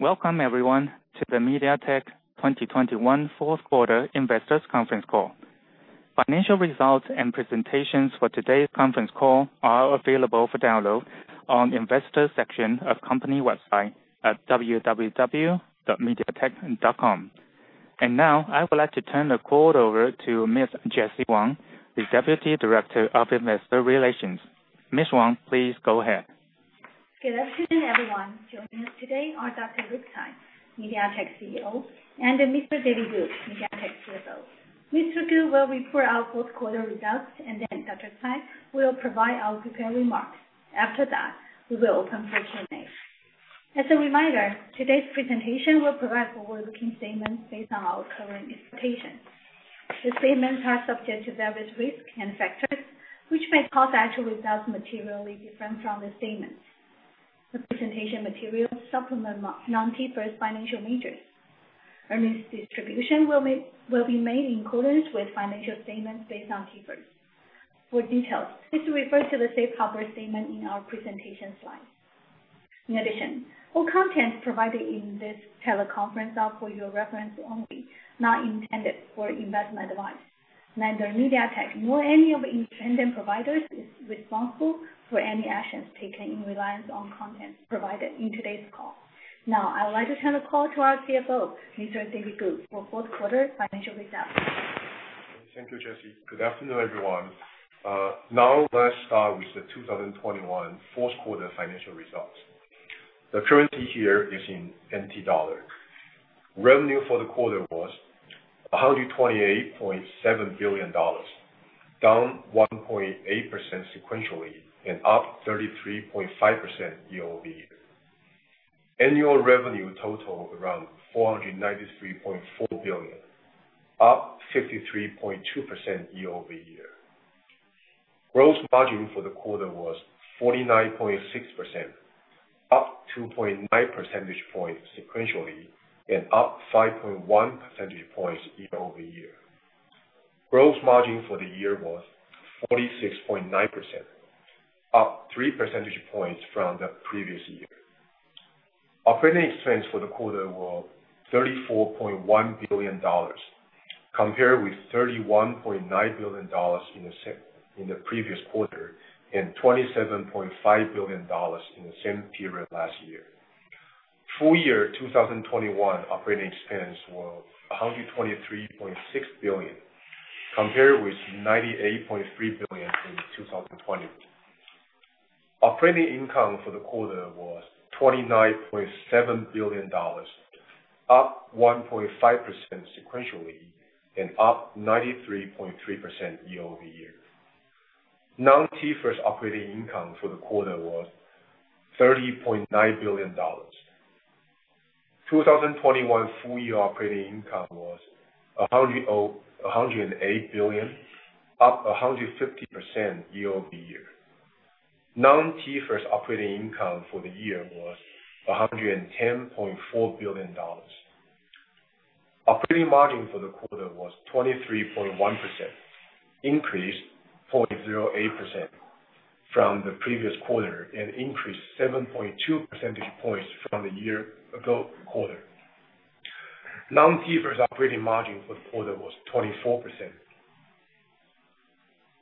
Welcome everyone to the MediaTek 2021 Fourth Quarter Investors Conference Call. Financial results and presentations for today's conference call are available for download on the investor section of company website at www.mediatek.com. Now I would like to turn the call over to Ms. Jessie Wang, the Deputy Director of Investor Relations. Ms. Wang, please go ahead. Good afternoon, everyone. Joining us today are Dr. Rick Tsai, MediaTek CEO, and Mr. David Ku, MediaTek CFO. Mr. Ku will report our fourth quarter results, and then Dr. Tsai will provide our prepared remarks. After that, we will open for Q&A. As a reminder, today's presentation will provide forward-looking statements based on our current expectations. The statements are subject to various risks and factors which may cause actual results materially different from the statements. The presentation material supplements Non-GAAP financial measures. Earnings distribution will be made in accordance with financial statements based on GAAP. For details, please refer to the Safe Harbor Statement in our presentation slides. In addition, all content provided in this teleconference is for your reference only, not intended for investment advice. Neither MediaTek nor any of independent providers is responsible for any actions taken in reliance on content provided in today's call. Now, I would like to turn the call to our CFO, Mr. David Ku, for fourth quarter financial results. Thank you, Jessie. Good afternoon, everyone. Now let's start with the 2021 fourth quarter financial results. The currency here is in NT dollar. Revenue for the quarter was 128.7 billion dollars, down 1.8% sequentially and up 33.5% year-over-year. Annual revenue totaled around 493.4 billion, up 53.2% year-over-year. Gross margin for the quarter was 49.6%, up 2.9 percentage points sequentially and up 5.1 percentage points year-over-year. Gross margin for the year was 46.9%, up 3 percentage points from the previous year. Operating expense for the quarter was 34.1 billion dollars, compared with 31.9 billion dollars in the previous quarter and 27.5 billion dollars in the same period last year. Full year 2021 operating expense was 123.6 billion, compared with 98.3 billion in 2020. Operating income for the quarter was 29.7 billion dollars, up 1.5% sequentially and up 93.3% year-over-year. Non-GAAP operating income for the quarter was TWD 30.9 billion. 2021 full year operating income was TWD 108 billion, up 150% year-over-year. Non-GAAP operating income for the year was 110.4 billion dollars. Operating margin for the quarter was 23.1%, increased 0.08% from the previous quarter and increased 7.2 percentage points from the year-ago quarter. Non-GAAP operating margin for the quarter was 24%.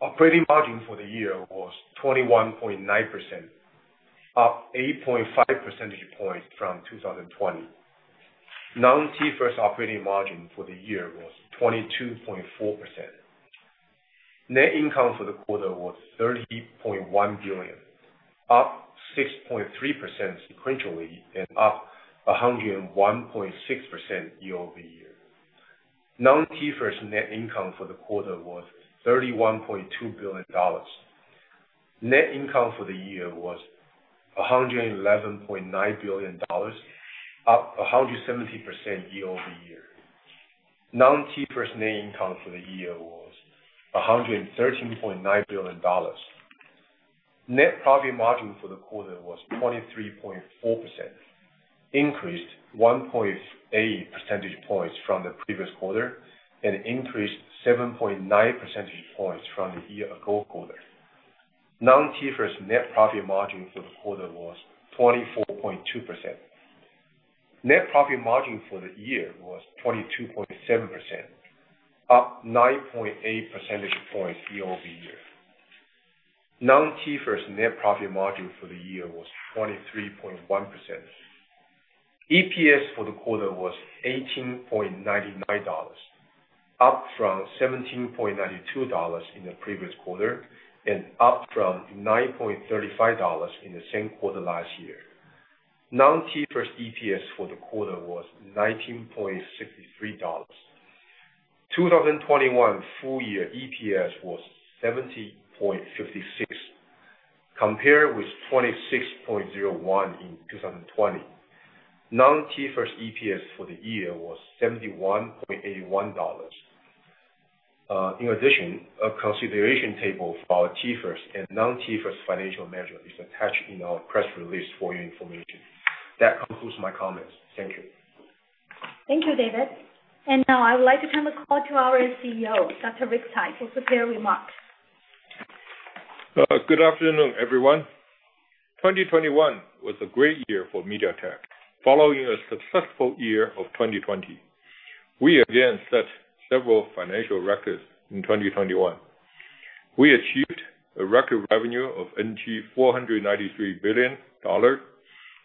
Operating margin for the year was 21.9%, up 8.5 percentage points from 2020. Non-GAAP operating margin for the year was 22.4%. Net income for the quarter was 30.1 billion, up 6.3% sequentially and up 101.6% year-over-year. Non-GAAP net income for the quarter was 31.2 billion dollars. Net income for the year was 111.9 billion dollars, up 170% year-over-year. Non-GAAP net income for the year was 113.9 billion dollars. Net profit margin for the quarter was 23.4%, increased 1.8 percentage points from the previous quarter and increased 7.9 percentage points from the year-ago quarter. Non-GAAP net profit margin for the quarter was 24.2%. Net profit margin for the year was 22.7%, up 9.8 percentage points year-over-year. Non-GAAP net profit margin for the year was 23.1%. EPS for the quarter was 18.99 dollars, up from 17.92 dollars in the previous quarter and up from 9.35 dollars in the same quarter last year. Non-GAAP EPS for the quarter was 19.63 dollars. 2021 full year EPS was 70.56, compared with 26.01 in 2020. Non-GAAP EPS for the year was 71.81 dollars. In addition, a reconciliation table for our GAAP and non-GAAP financial measures is attached in our press release for your information. That concludes my comments. Thank you. Thank you, David. Now I would like to turn the call to our CEO, Dr. Rick Tsai, for prepared remarks. Good afternoon, everyone. 2021 was a great year for MediaTek. Following a successful year of 2020. We again set several financial records in 2021. We achieved a record revenue of 493 billion dollar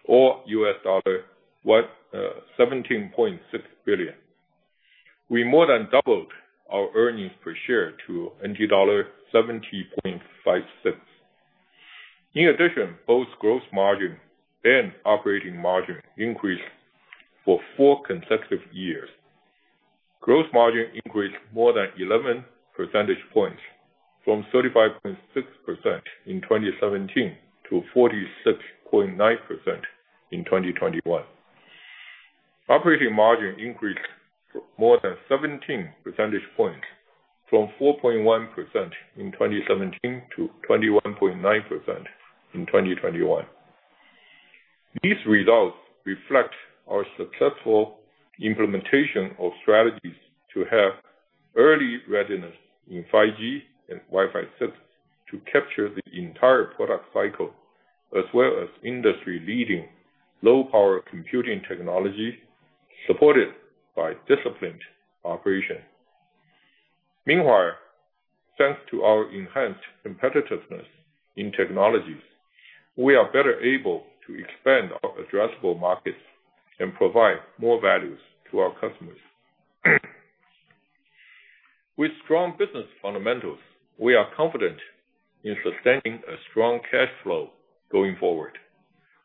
or $17.6 billion. We more than doubled our earnings per share to NT dollar 70.56. In addition, both gross margin and operating margin increased for four consecutive years. Gross margin increased more than 11 percentage points from 35.6% in 2017 to 46.9% in 2021. Operating margin increased more than 17 percentage points from 4.1% in 2017 to 21.9% in 2021. These results reflect our successful implementation of strategies to have early readiness in 5G and Wi-Fi 6 to capture the entire product cycle, as well as industry-leading low power computing technology, supported by disciplined operation. Meanwhile, thanks to our enhanced competitiveness in technologies, we are better able to expand our addressable markets and provide more values to our customers. With strong business fundamentals, we are confident in sustaining a strong cash flow going forward.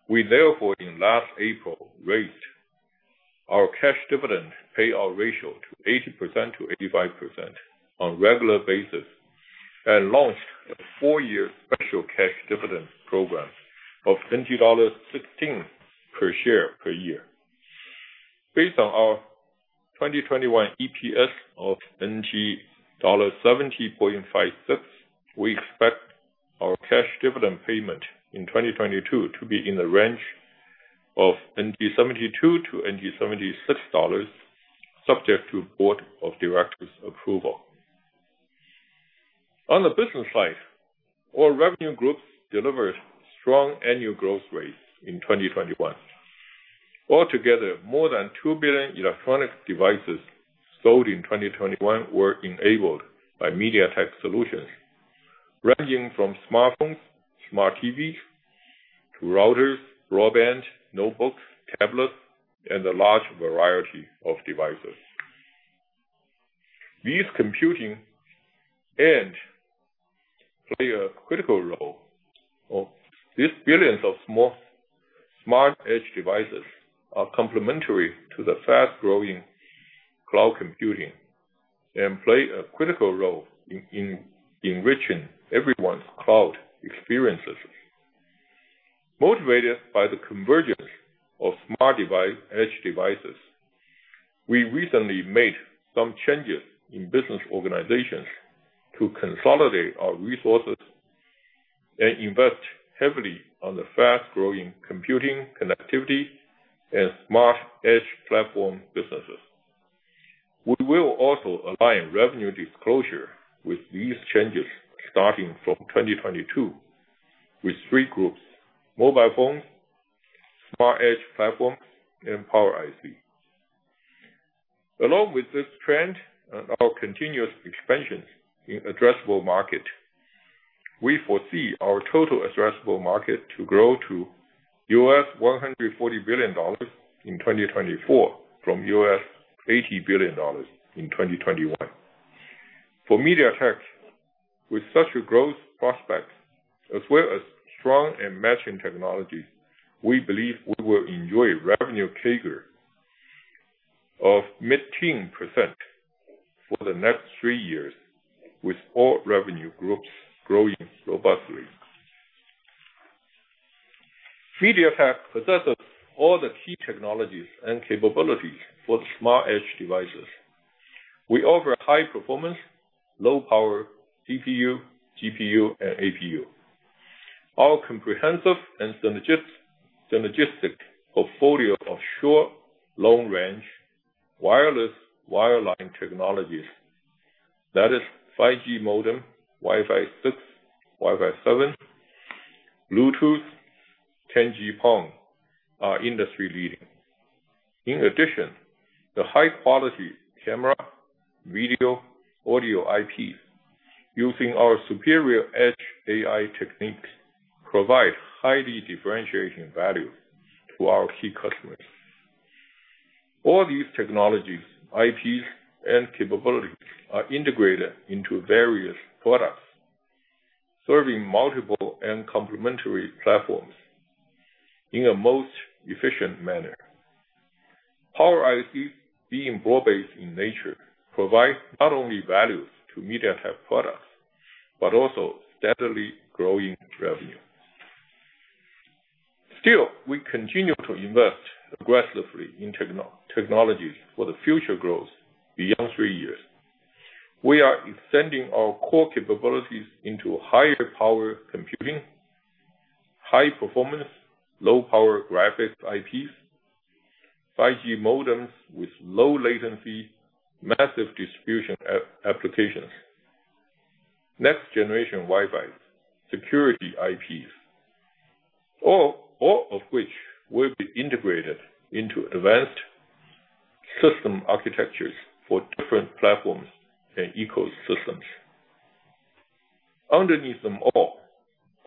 We therefore in last April raised our cash dividend payout ratio to 80%-85% on regular basis and launched a four-year special cash dividend program of 16 per share per year. Based on our 2021 EPS of dollar 70.56, we expect our cash dividend payment in 2022 to be in the range of 72-76 dollars, subject to board of directors approval. On the business side, all revenue groups delivered strong annual growth rates in 2021. Altogether, more than 2 billion electronic devices sold in 2021 were enabled by MediaTek solutions, ranging from smartphones, smart TVs, to routers, broadband, notebooks, tablets, and a large variety of devices. These billions of small Smart Edge devices are complementary to the fast-growing cloud computing and play a critical role in enriching everyone's cloud experiences. Motivated by the convergence of smart devices, edge devices, we recently made some changes in business organizations to consolidate our resources and invest heavily on the fast-growing computing connectivity and Smart Edge platform businesses. We will also align revenue disclosure with these changes starting from 2022 with three groups: Mobile Phones, Smart Edge Platforms, and Power IC. Along with this trend and our continuous expansions in addressable market, we foresee our total addressable market to grow to $140 billion in 2024 from $80 billion in 2021. For MediaTek, with such a growth prospect, as well as strong and matching technologies, we believe we will enjoy revenue CAGR of mid-teens percent for the next three years, with all revenue groups growing robustly. MediaTek possesses all the key technologies and capabilities for Smart Edge devices. We offer high performance, low power CPU, GPU, and APU. Our comprehensive and synergistic portfolio of short, long range wireless wireline technologies, that is 5G modem, Wi-Fi 6, Wi-Fi 7, Bluetooth, 10G PON, are industry leading. In addition, the high quality camera, video, audio IP using our superior edge AI techniques provide highly differentiated value to our key customers. All these technologies, IPs, and capabilities are integrated into various products, serving multiple and complementary platforms in a most efficient manner. Power IC, being broad-based in nature, provides not only values to MediaTek products, but also steadily growing revenue. Still, we continue to invest aggressively in technologies for the future growth beyond three years. We are extending our core capabilities into higher power computing. High performance, low power graphics IPs, 5G modems with low latency, massive distribution applications, next generation Wi-Fi, security IPs, all of which will be integrated into advanced system architectures for different platforms and ecosystems. Underneath them all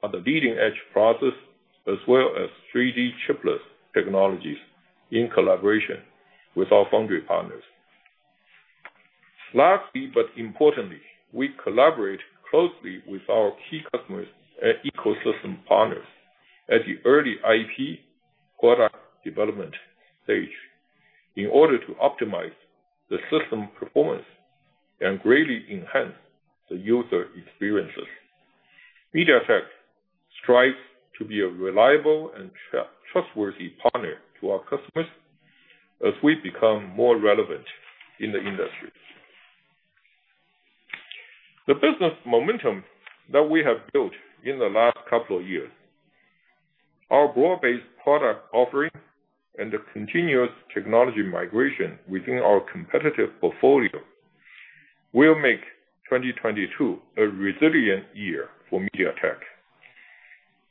are the leading-edge process, as well as 3D chiplet technologies in collaboration with our foundry partners. Lastly but importantly, we collaborate closely with our key customers and ecosystem partners at the early IP product development stage in order to optimize the system performance and greatly enhance the user experiences. MediaTek strives to be a reliable and trustworthy partner to our customers as we become more relevant in the industry. The business momentum that we have built in the last couple of years, our broad-based product offerings and the continuous technology migration within our competitive portfolio will make 2022 a resilient year for MediaTek.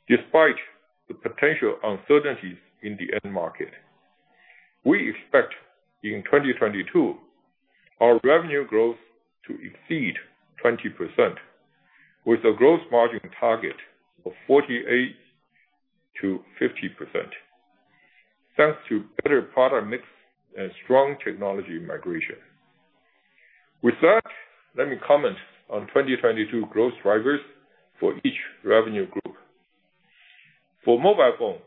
Despite the potential uncertainties in the end market, we expect in 2022 our revenue growth to exceed 20%, with a gross margin target of 48%-50%, thanks to better product mix and strong technology migration. With that, let me comment on 2022 growth drivers for each revenue group. For Mobile Phone,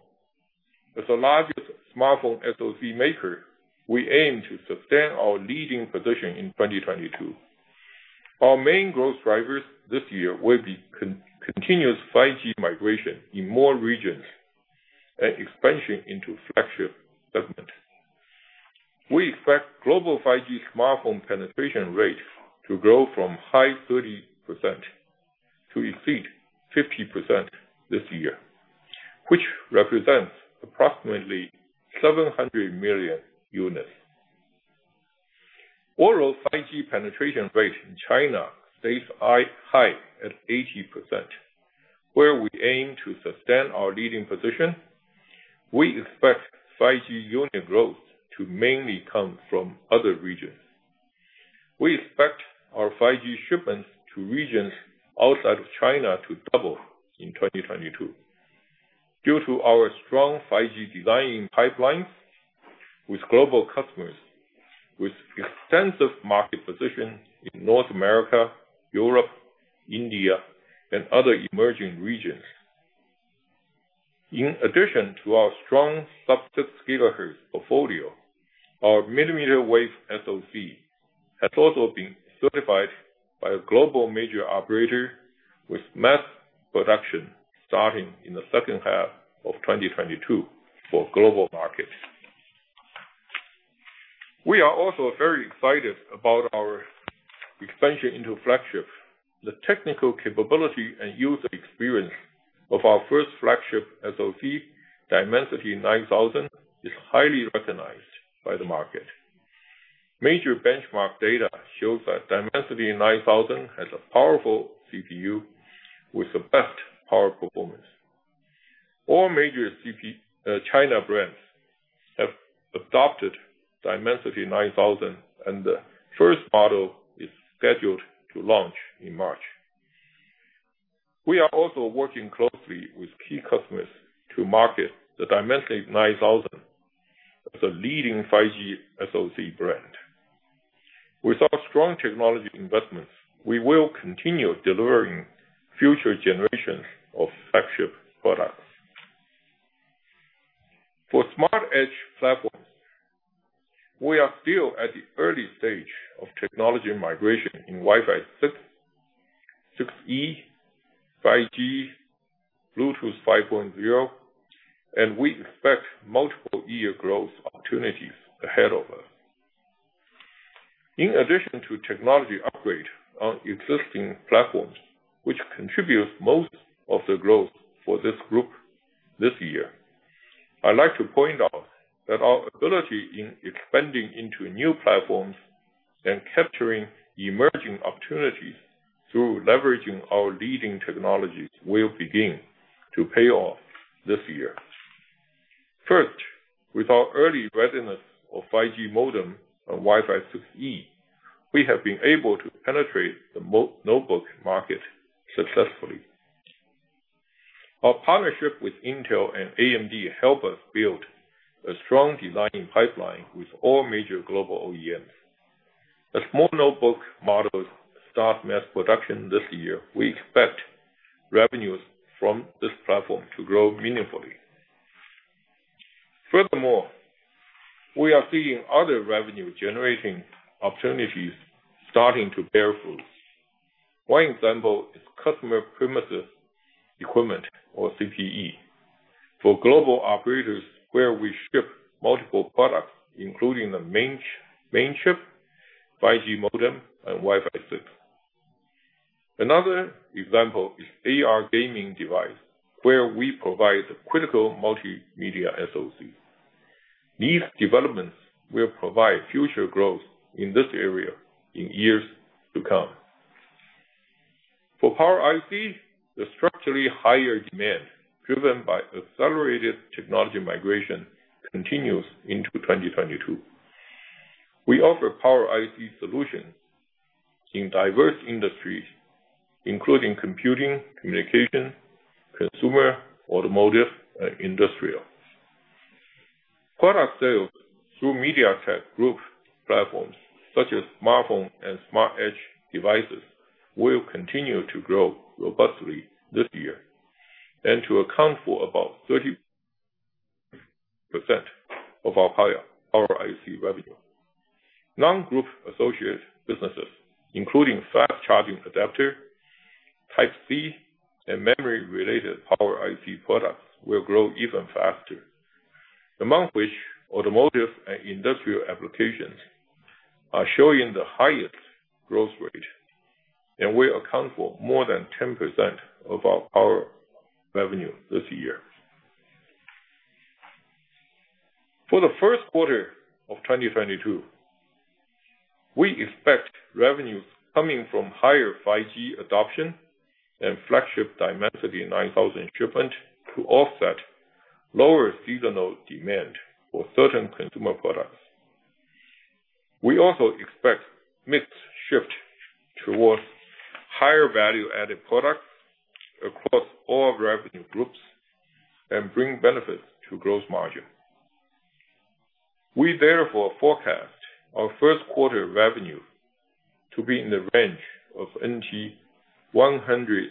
as the largest smartphone SoC maker, we aim to sustain our leading position in 2022. Our main growth drivers this year will be continuous 5G migration in more regions and expansion into flagship segment. We expect global 5G smartphone penetration rate to grow from high 30% to exceed 50% this year, which represents approximately 700 million units. Overall 5G penetration rate in China stays high at 80%, where we aim to sustain our leading position. We expect 5G unit growth to mainly come from other regions. We expect our 5G shipments to regions outside of China to double in 2022 due to our strong 5G design pipelines with global customers with extensive market position in North America, Europe, India, and other emerging regions. In addition to our strong sub-6 GHz portfolio, our millimeter wave SoC has also been certified by a global major operator with mass production starting in the second half of 2022 for global markets. We are also very excited about our expansion into flagship. The technical capability and user experience of our first flagship SoC, Dimensity 9000, is highly recognized by the market. Major benchmark data shows that Dimensity 9000 has a powerful CPU with the best power performance. All major China brands have adopted Dimensity 9000, and the first model is scheduled to launch in March. We are also working closely with key customers to market the Dimensity 9000 as a leading 5G SoC brand. With our strong technology investments, we will continue delivering future generations of flagship products. For Smart Edge platforms, we are still at the early stage of technology migration in Wi-Fi 6, Wi-Fi 6E, 5G, Bluetooth 5.0, and we expect multiple year growth opportunities ahead of us. In addition to technology upgrade on existing platforms, which contributes most of the growth for this group this year, I'd like to point out that our ability in expanding into new platforms and capturing emerging opportunities through leveraging our leading technologies will begin to pay off this year. First, with our early readiness of 5G modem and Wi-Fi 6E, we have been able to penetrate the Chromebook market successfully. Our partnership with Intel and AMD helps us build a strong design pipeline with all major global OEMs. As more notebook models start mass production this year, we expect revenues from this platform to grow meaningfully. Furthermore, we are seeing other revenue-generating opportunities starting to bear fruit. One example is customer premises equipment or CPE. For global operators where we ship multiple products including the main chip, 5G modem and Wi-Fi 6. Another example is AR gaming device, where we provide the critical multimedia SoC. These developments will provide future growth in this area in years to come. For Power IC, the structurally higher demand, driven by accelerated technology migration, continues into 2022. We offer Power IC solutions in diverse industries, including computing, communication, consumer, automotive, and industrial. Product sales through MediaTek group platforms, such as smartphone and Smart Edge devices, will continue to grow robustly this year and to account for about 30% of our higher Power IC revenue. Non-group associate businesses, including fast charging adapter, Type-C, and memory-related Power IC products, will grow even faster. Among which automotive and industrial applications are showing the highest growth rate and will account for more than 10% of our power revenue this year. For the first quarter of 2022, we expect revenue coming from higher 5G adoption and flagship Dimensity 9000 shipment to offset lower seasonal demand for certain consumer products. We also expect mix shift towards higher value-added products across all revenue groups and bring benefits to gross margin. We therefore forecast our first quarter revenue to be in the range of 131.2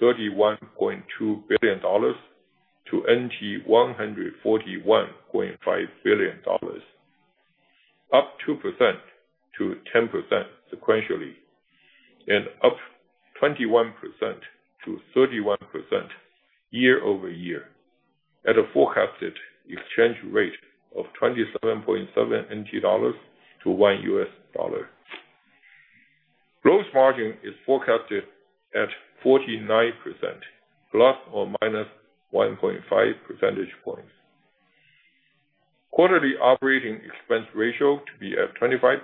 billion-141.5 billion NT, up 2%-10% sequentially and up 21%-31% year-over-year at a forecasted exchange rate of 27.7 NT dollars to one U.S. dollar. Gross margin is forecasted at 49%, ±1.5 percentage points. Quarterly operating expense ratio to be at 25%,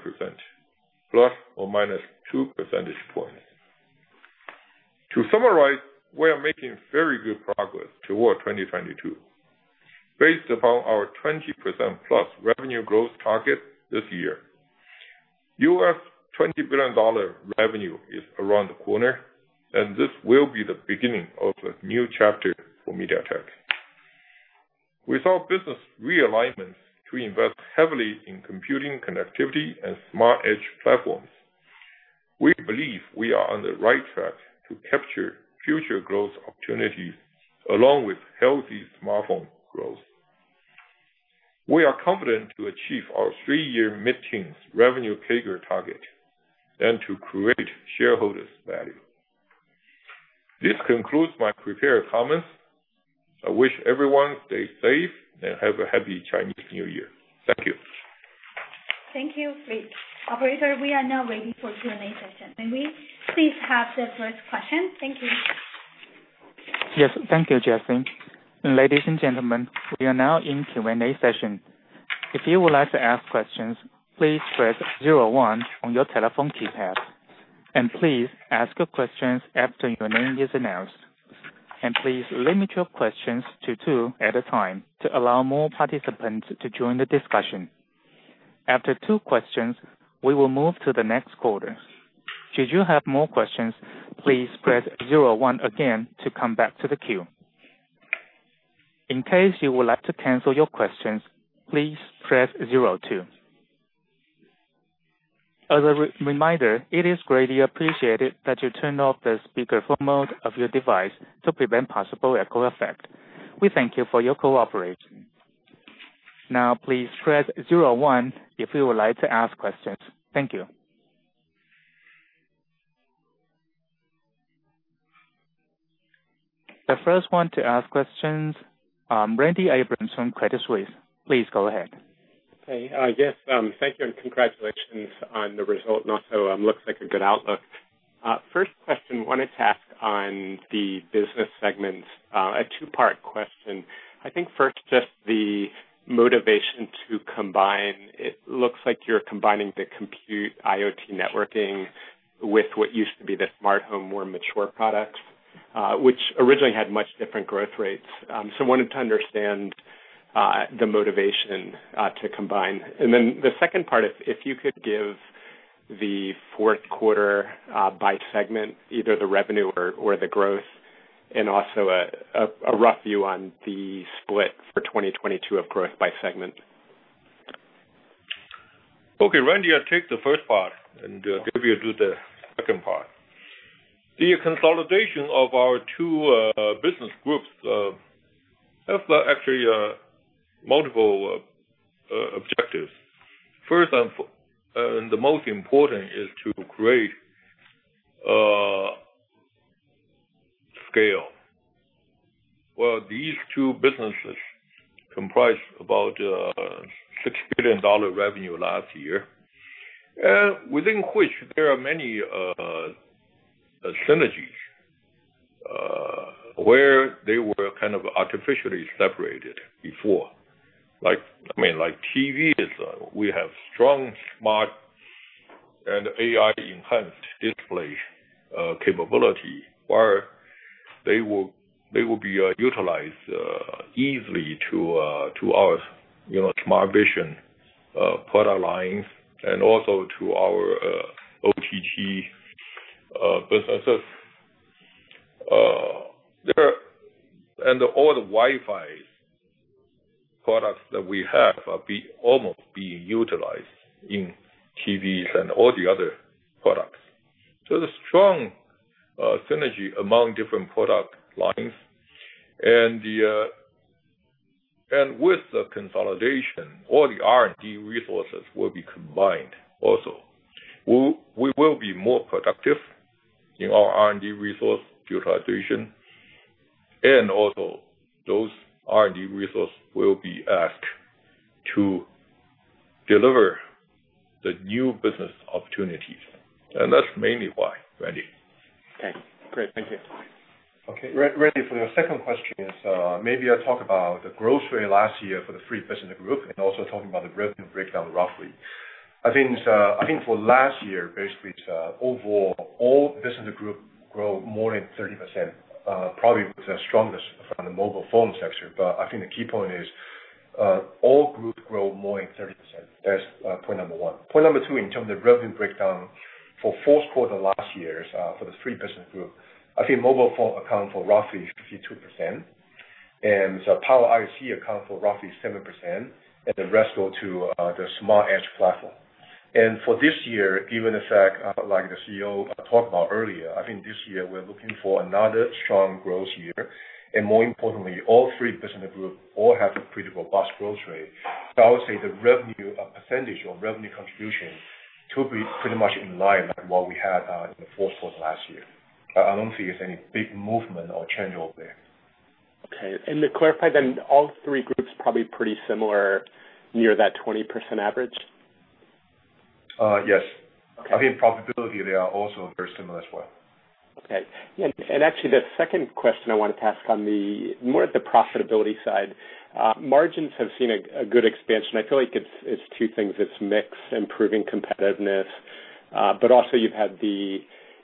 ±2 percentage points. To summarize, we are making very good progress toward 2022 based upon our 20%+ revenue growth target this year. $20 billion revenue is around the corner, and this will be the beginning of a new chapter for MediaTek. With our business realignments to invest heavily in computing, connectivity and Smart Edge platforms, we believe we are on the right track to capture future growth opportunities along with healthy smartphone growth. We are confident to achieve our three-year mid-teens revenue CAGR target and to create shareholders value. This concludes my prepared comments. I wish everyone stay safe and have a happy Chinese New Year. Thank you. Thank you, Rick. Operator, we are now waiting for Q&A session. May we please have the first question? Thank you. Yes. Thank you, Jessie. Ladies and gentlemen, we are now in Q&A session. If you would like to ask questions, please press zero one on your telephone keypad. Please ask your questions after your name is announced. Please limit your questions to two at a time to allow more participants to join the discussion. After two questions, we will move to the next caller. Should you have more questions, please press zero one again to come back to the queue. In case you would like to cancel your questions, please press zero two. As a reminder, it is greatly appreciated that you turn off the speakerphone mode of your device to prevent possible echo effect. We thank you for your cooperation. Now, please press zero one if you would like to ask questions. Thank you. The first one to ask questions, Randy Abrams from Credit Suisse. Please go ahead. Yes, thank you and congratulations on the result and also, looks like a good outlook. First question, wanted to ask on the business segments. A two-part question. I think first, just the motivation to combine. It looks like you're combining the compute IoT networking with what used to be the smart home, more mature products, which originally had much different growth rates. Wanted to understand, the motivation, to combine. The second part, if you could give the fourth quarter, by segment, either the revenue or the growth and also a rough view on the split for 2022 of growth by segment. Okay. Randy, I'll take the first part and give you to the second part. The consolidation of our two business groups has actually multiple objectives. First and the most important is to create scale. Well, these two businesses comprise about 6 billion dollar revenue last year. Within which there are many synergies where they were kind of artificially separated before. Like, I mean, like TVs, we have strong, smart and AI-enhanced display capability, where they will be utilized easily to our, you know, smart vision product lines and also to our OTT businesses. All the Wi-Fi products that we have are almost being utilized in TVs and all the other products. There's strong synergy among different product lines. With the consolidation, all the R&D resources will be combined also. We will be more productive in our R&D resource utilization. Those R&D resource will be asked to deliver the new business opportunities. That's mainly why, Randy. Okay, great. Thank you. Okay. Randy, for your second question, maybe I'll talk about the growth rate last year for the three business group and also talking about the revenue breakdown roughly. I think for last year, basically it's overall, all business group grow more than 30%, probably with the strongest from the Mobile Phone sector. I think the key point is all groups grow more than 30%. That's point number one. Point number two, in terms of revenue breakdown for fourth quarter last year, for the three business group, I think Mobile Phone account for roughly 52%, and so Power IC account for roughly 7%, and the rest go to the Smart Edge platform. For this year, given the fact, like the CEO talked about earlier, I think this year we're looking for another strong growth year. More importantly, all three business groups have a pretty robust growth rate. I would say the revenue percentage or revenue contribution to be pretty much in line with what we had in the fourth quarter last year. I don't see there's any big movement or change over there. Okay. To clarify then, all three groups probably pretty similar near that 20% average? Yes. Okay. I think profitability, they are also very similar as well. Actually, the second question I wanted to ask, more on the profitability side, margins have seen a good expansion. I feel like it's two things. It's mix, improving competitiveness, but also you've had the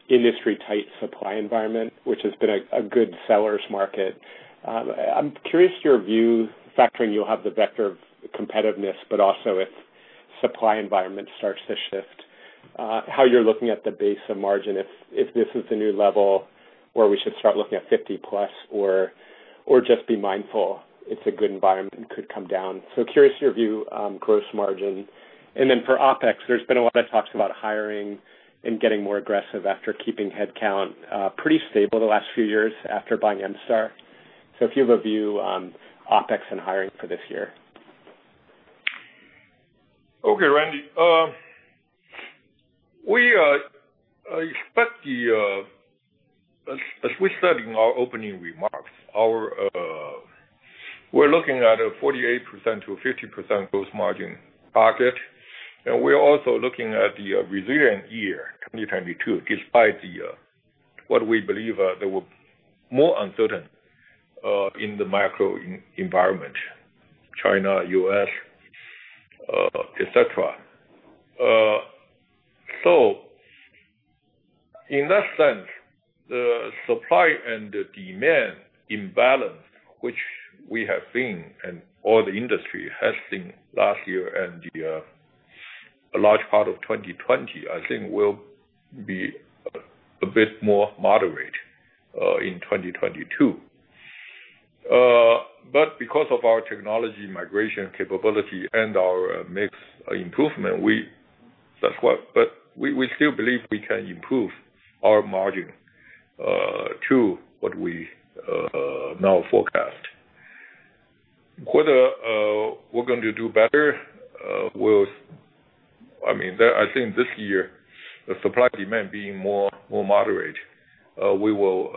industry tight supply environment, which has been a good seller's market. I'm curious about your view factoring in you have the vector of competitiveness, but also if supply environment starts to shift, how you're looking at the base case for margin, if this is the new level where we should start looking at 50+ or just be mindful it's a good environment and could come down. Curious about your view on gross margin. For OpEx, there's been a lot of talk about hiring and getting more aggressive after keeping headcount pretty stable the last few years after buying MStar. If you have a view on OpEx and hiring for this year. Okay, Randy. As we said in our opening remarks, we're looking at a 48%-50% gross margin target, and we're also looking at the resilient year 2022, despite what we believe will be more uncertainty in the macro environment, China, U.S., etc. In that sense, the supply and demand imbalance, which we have seen and all the industry has seen last year and a large part of 2020, I think will be a bit more moderate in 2022. Because of our technology migration capability and our mix improvement, we still believe we can improve our margin to what we now forecast. Whether we're going to do better, will. I mean, I think this year, the supply and demand being more moderate, we will,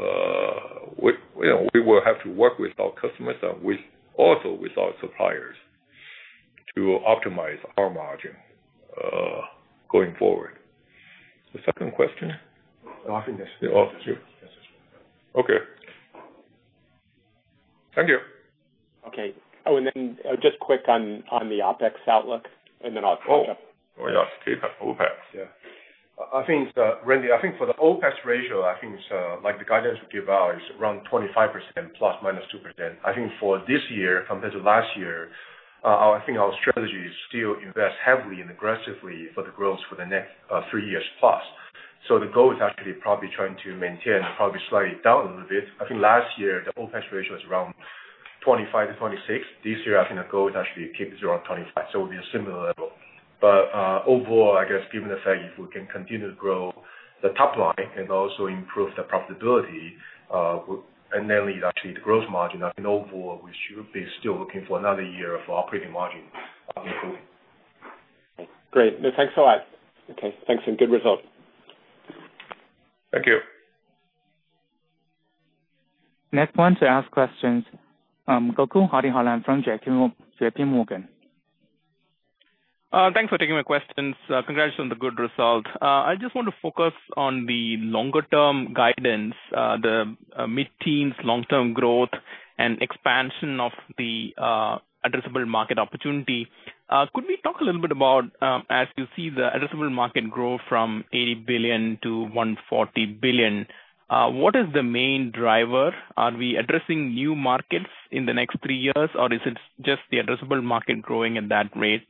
you know, have to work with our customers and also with our suppliers to optimize our margin, going forward. The second question? I think that's it. Oh, sure. Yes. Okay. Thank you. Okay. Oh, just quick on the OpEx outlook, and then I'll catch up. Oh. Oh, yes. CapEx, OpEx. Yeah. I think, Randy, I think for the OpEx ratio, I think it's like the guidance we give out, it's around 25% ±2%. I think for this year compared to last year, I think our strategy is still invest heavily and aggressively for the growth for the next 3+ years. The goal is actually probably trying to maintain, probably slightly down a little bit. I think last year the OpEx ratio was around 25%-26%. This year I think the goal is actually keep it around 25%, so it'll be a similar level. Overall, I guess given the fact if we can continue to grow the top line and also improve the profitability, and then lead actually the gross margin, I think overall we should be still looking for another year of operating margin improvement. Great. Thanks a lot. Okay, thanks and good result. Thank you. Next one to ask questions, Gokul Hariharan from J.P. Morgan. Thanks for taking my questions. Congrats on the good result. I just want to focus on the longer-term guidance, the mid-teens long-term growth and expansion of the addressable market opportunity. Could we talk a little bit about, as you see the addressable market grow from 80 billion to 140 billion, what is the main driver? Are we addressing new markets in the next three years, or is it just the addressable market growing at that rate?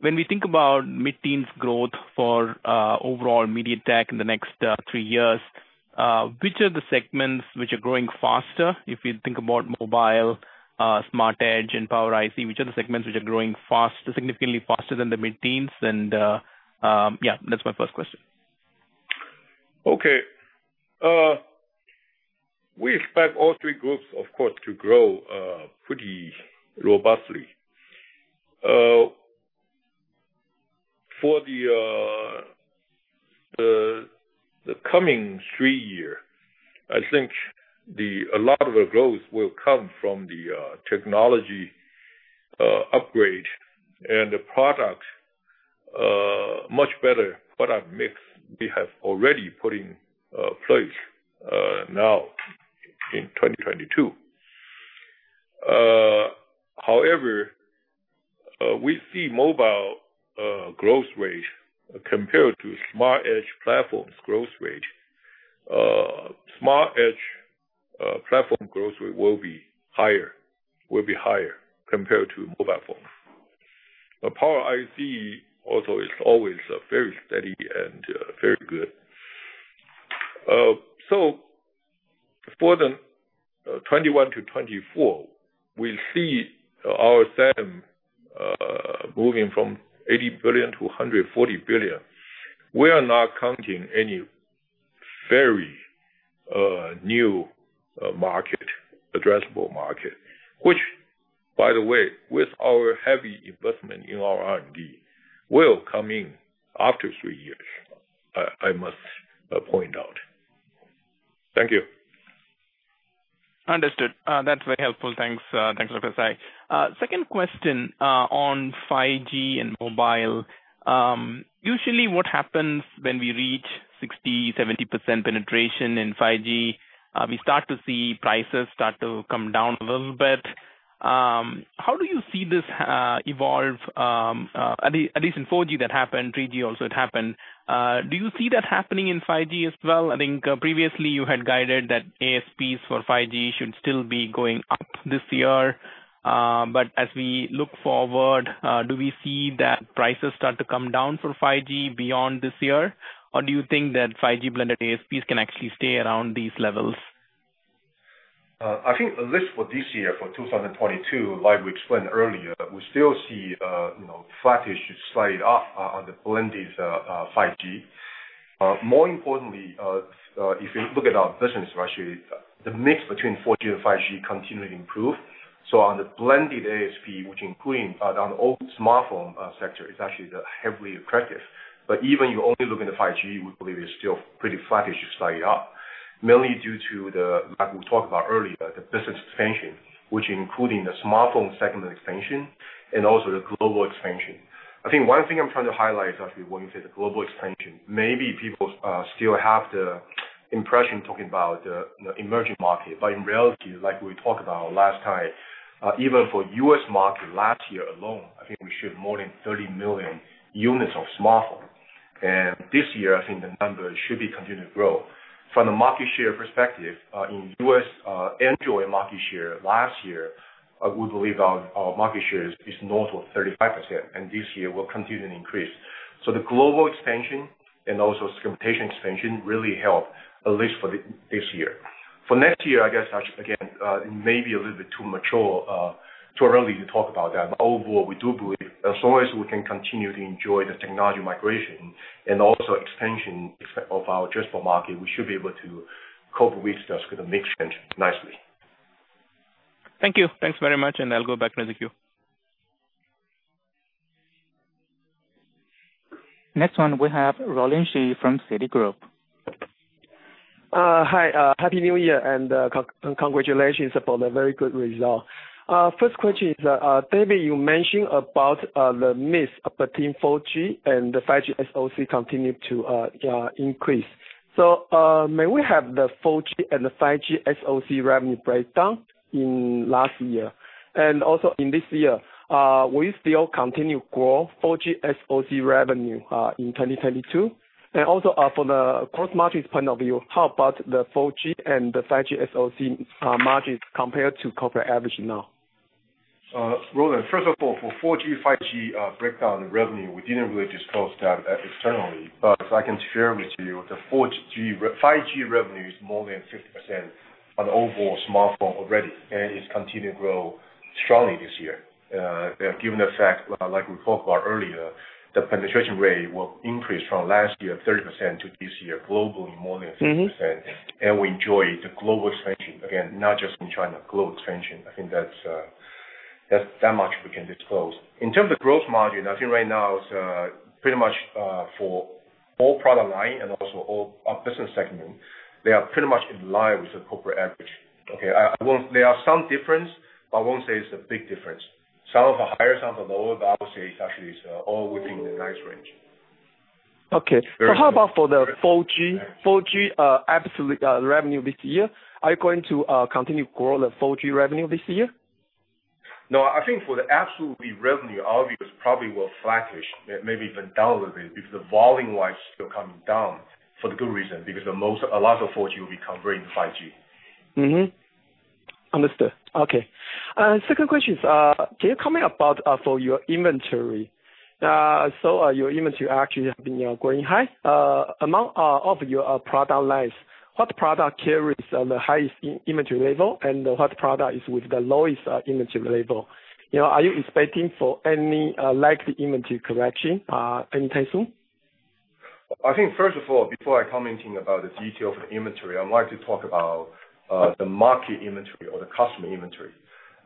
When we think about mid-teens growth for overall MediaTek in the next three years, which are the segments which are growing faster? If you think about Mobile, Smart Edge and Power IC, which are the segments which are growing faster, significantly faster than the mid-teens? Yeah, that's my first question. Okay. We expect all three groups, of course, to grow pretty robustly. For the coming three-year, I think a lot of the growth will come from the technology upgrade and the much better product mix we have already put in place now in 2022. However, we see mobile growth rate compared to Smart Edge platforms growth rate. Smart Edge platform growth rate will be higher compared to Mobile Phones. The Power IC also is always very steady and very good. For the 2021-2024, we see our SAM moving from 80 billion-140 billion. We are not counting any very new market addressable market, which, by the way, with our heavy investment in our R&D, will come in after three years. I must point out. Thank you. Understood. That's very helpful. Thanks, Dr. Tsai. Second question on 5G and mobile. Usually what happens when we reach 60%, 70% penetration in 5G, we start to see prices start to come down a little bit. How do you see this evolve, at least in 4G that happened, 3G also it happened. Do you see that happening in 5G as well? I think previously you had guided that ASPs for 5G should still be going up this year. As we look forward, do we see that prices start to come down for 5G beyond this year? Or do you think that 5G blended ASPs can actually stay around these levels? I think at least for this year, for 2022, like we explained earlier, we still see, you know, flattish to slightly up on the blended 5G. More importantly, if you look at our business ratio, the mix between 4G and 5G continue to improve. On the blended ASP, which including on the old smartphone sector, is actually the healthily aggressive. But even you only look in the 5G, we believe it's still pretty flattish to slightly up, mainly due to the, like we talked about earlier, the business expansion, which including the smartphone segment expansion and also the global expansion. I think one thing I'm trying to highlight is actually when you say the global expansion, maybe people still have the impression talking about, you know, emerging market. In reality, like we talked about last time, even for U.S. market last year alone, I think we shipped more than 30 million units of smartphone. This year, I think the numbers should be continued to grow. From the market share perspective, in U.S., Android market share last year, we believe our market share is north of 35%, and this year will continue to increase. The global expansion and also segmentation expansion really help, at least for this year. For next year, I guess, actually, again, it may be a little bit too mature, too early to talk about that. Overall, we do believe as long as we can continue to enjoy the technology migration and also expansion of our addressable market, we should be able to cope with the mix change nicely. Thank you. Thanks very much. I'll go back to the queue. Next one we have Roland Shu from Citigroup. Hi, happy New Year and congratulations upon a very good result. First question is, David, you mentioned about the mix between 4G and the 5G SoC continued to increase. May we have the 4G and the 5G SoC revenue breakdown in last year? In this year, will you still continue to grow 4G SoC revenue in 2022? For the gross margins point of view, how about the 4G and the 5G SoC margins compared to corporate average now? Roland, first of all, for 4G, 5G breakdown in revenue, we didn't really disclose that externally. I can share with you the 4G-5G revenue is more than 50% of the overall smartphone already, and it's continued to grow strongly this year. Given the fact, like we talked about earlier, the penetration rate will increase from last year, 30% to this year globally more than 50%. We enjoy the global expansion, again, not just in China, global expansion. I think that's that much we can disclose. In terms of growth margin, I think right now it's pretty much for all product line and also all our business segment. They are pretty much in line with the corporate average. Okay. I won't. There are some difference, but I won't say it's a big difference. Some of the higher, some of the lower values, it actually is all within the nice range. Okay. How about for 4G? 4G absolute revenue this year, are you going to continue to grow the 4G revenue this year? No. I think for the absolute revenue, obviously it's probably more flattish, maybe even down a little bit because the volume-wise still coming down for the good reason, because a lot of 4G will become 5G. Second question is, can you comment about your inventory. So, your inventory actually have been growing high. Among your product lines, what product carries the highest inventory level and what product is with the lowest inventory level? You know, are you expecting for any like the inventory correction anytime soon? I think first of all, before I comment about the details of the inventory, I would like to talk about the market inventory or the customer inventory.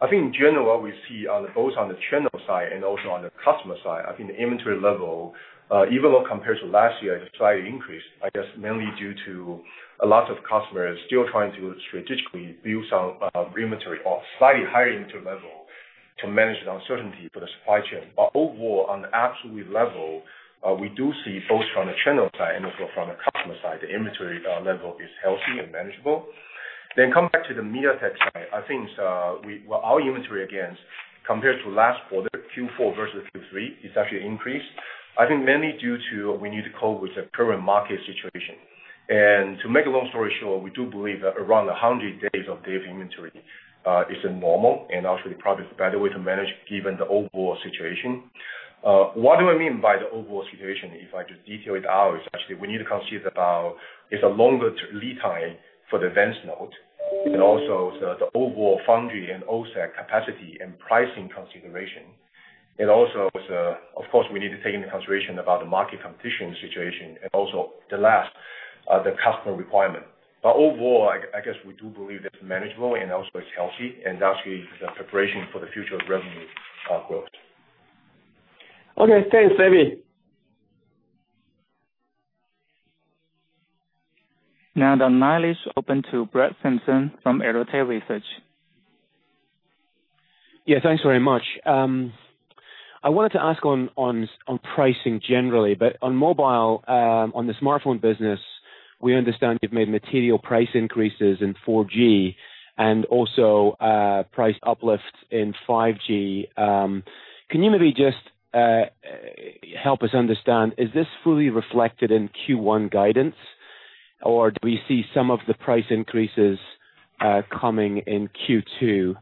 I think in general, we see both on the channel side and also on the customer side, I think the inventory level even though compared to last year, it has slightly increased. I guess mainly due to a lot of customers still trying to strategically build some inventory or slightly higher inventory level to manage the uncertainty for the supply chain. But overall, on the absolute level, we do see both from the channel side and also from the customer side, the inventory level is healthy and manageable. Come back to the MediaTek side. Well, our inventory again, compared to last quarter, Q4 versus Q3, it's actually increased. I think mainly due to we need to cope with the current market situation. To make a long story short, we do believe that around 100 days of inventory is normal and actually probably the better way to manage given the overall situation. What do I mean by the overall situation? If I just detail it out, it's actually we need to consider about it's a longer lead time for the events note, and also the overall foundry and OSAT capacity and pricing consideration. It also is, of course, we need to take into consideration about the market competition situation and also lastly the customer requirement. Overall, I guess we do believe that it's manageable and also it's healthy, and actually the preparation for the future of revenue growth. Okay. Thanks, Danny. Now the line is open to Brett Simpson from Arete Research. Yeah, thanks very much. I wanted to ask on pricing generally, but on mobile, on the smartphone business, we understand you've made material price increases in 4G and also price uplifts in 5G. Can you maybe just help us understand, is this fully reflected in Q1 guidance or do we see some of the price increases coming in Q2?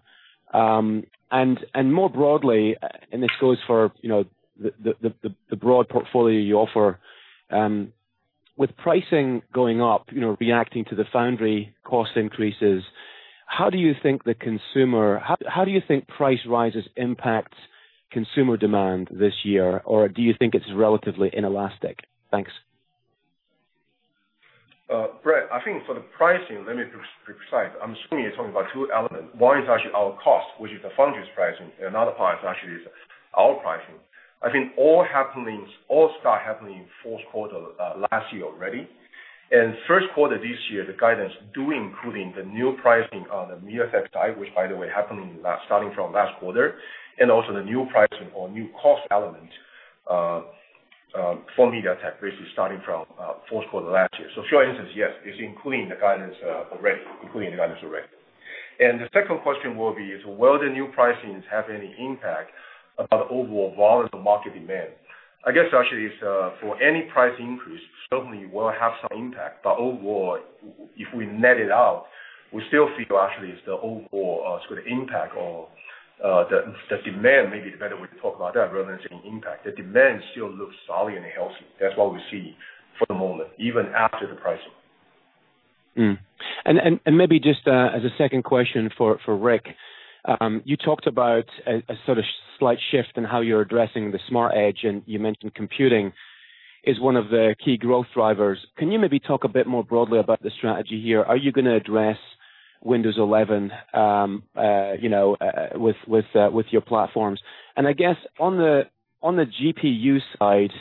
And more broadly, and this goes for, you know, the broad portfolio you offer, with pricing going up, you know, reacting to the foundry cost increases, how do you think price rises impact consumer demand this year, or do you think it's relatively inelastic? Thanks. Brett, I think for the pricing, let me be precise. I'm assuming you're talking about two elements. One is actually our cost, which is the foundry's pricing, another part actually is our pricing. I think all start happening in fourth quarter last year already. First quarter this year, the guidance does include the new pricing on the MediaTek side, which by the way starting from last quarter, and also the new pricing or new cost element for MediaTek, which is starting from fourth quarter last year. Short answer is yes, it's including the guidance already. The second question will be, will the new pricings have any impact on overall volume of market demand? I guess actually it's for any price increase, certainly will have some impact. Overall, if we net it out, we still feel actually it's the overall, sort of impact or, the demand may be the better way to talk about that rather than saying impact. The demand still looks solid and healthy. That's what we see for the moment, even after the pricing. Maybe just as a second question for Rick, you talked about a sort of slight shift in how you're addressing the Smart Edge, and you mentioned computing is one of the key growth drivers. Can you maybe talk a bit more broadly about the strategy here? Are you gonna address Windows 11, you know, with your platforms? And I guess on the GPU side,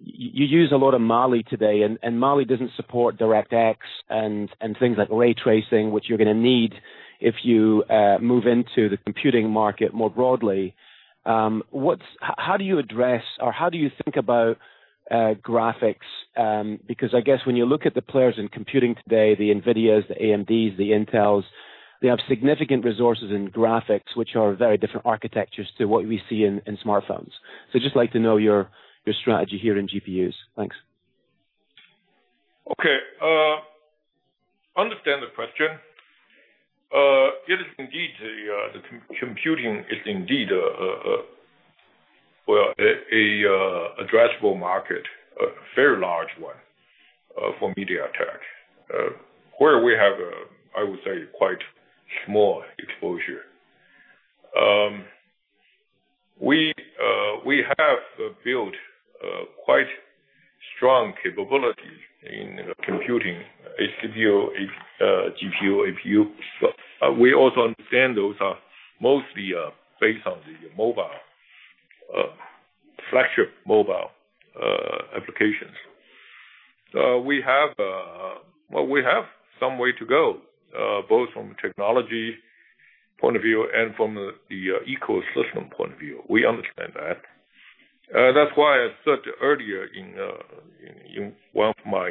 you use a lot of Mali today, and Mali doesn't support DirectX and things like ray tracing, which you're gonna need if you move into the computing market more broadly. How do you address or how do you think about graphics? Because I guess when you look at the players in computing today, the NVIDIAs, the AMDs, the Intels, they have significant resources in graphics, which are very different architectures to what we see in smartphones. Just like to know your strategy here in GPUs. Thanks. Okay. I understand the question. It is indeed the computing is indeed a well addressable market, a very large one for MediaTek, where we have a I would say quite small exposure. We have built- Strong capabilities in computing, CPU, GPU, APU. We also understand those are mostly based on the mobile flagship mobile applications. Well, we have some way to go both from a technology point of view and from the ecosystem point of view. We understand that. That's why I said earlier in one of my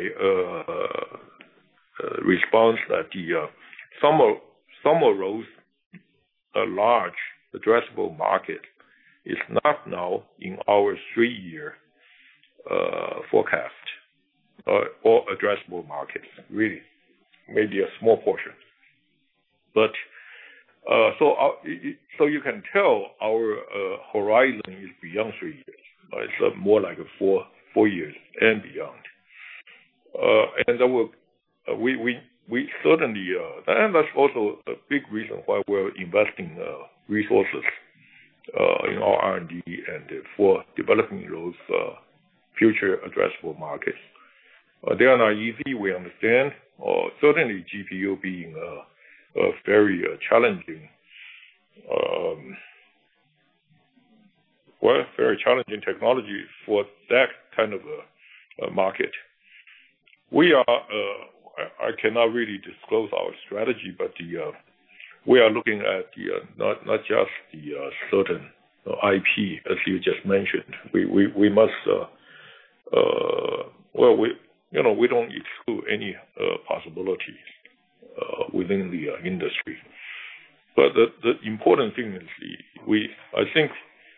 response that some of those large addressable market is not now in our three-year forecast or addressable markets, really. Maybe a small portion. You can tell our horizon is beyond three years. It's more like four years and beyond. We certainly. That's also a big reason why we're investing resources in our R&D and for developing those future addressable markets. They are not easy, we understand. Certainly GPU being a very challenging, well, very challenging technology for that kind of a market. We are. I cannot really disclose our strategy, but, yeah, we are looking at, yeah, not just the certain IP, as you just mentioned. We must, well, you know, we don't exclude any possibilities within the industry. The important thing is I think,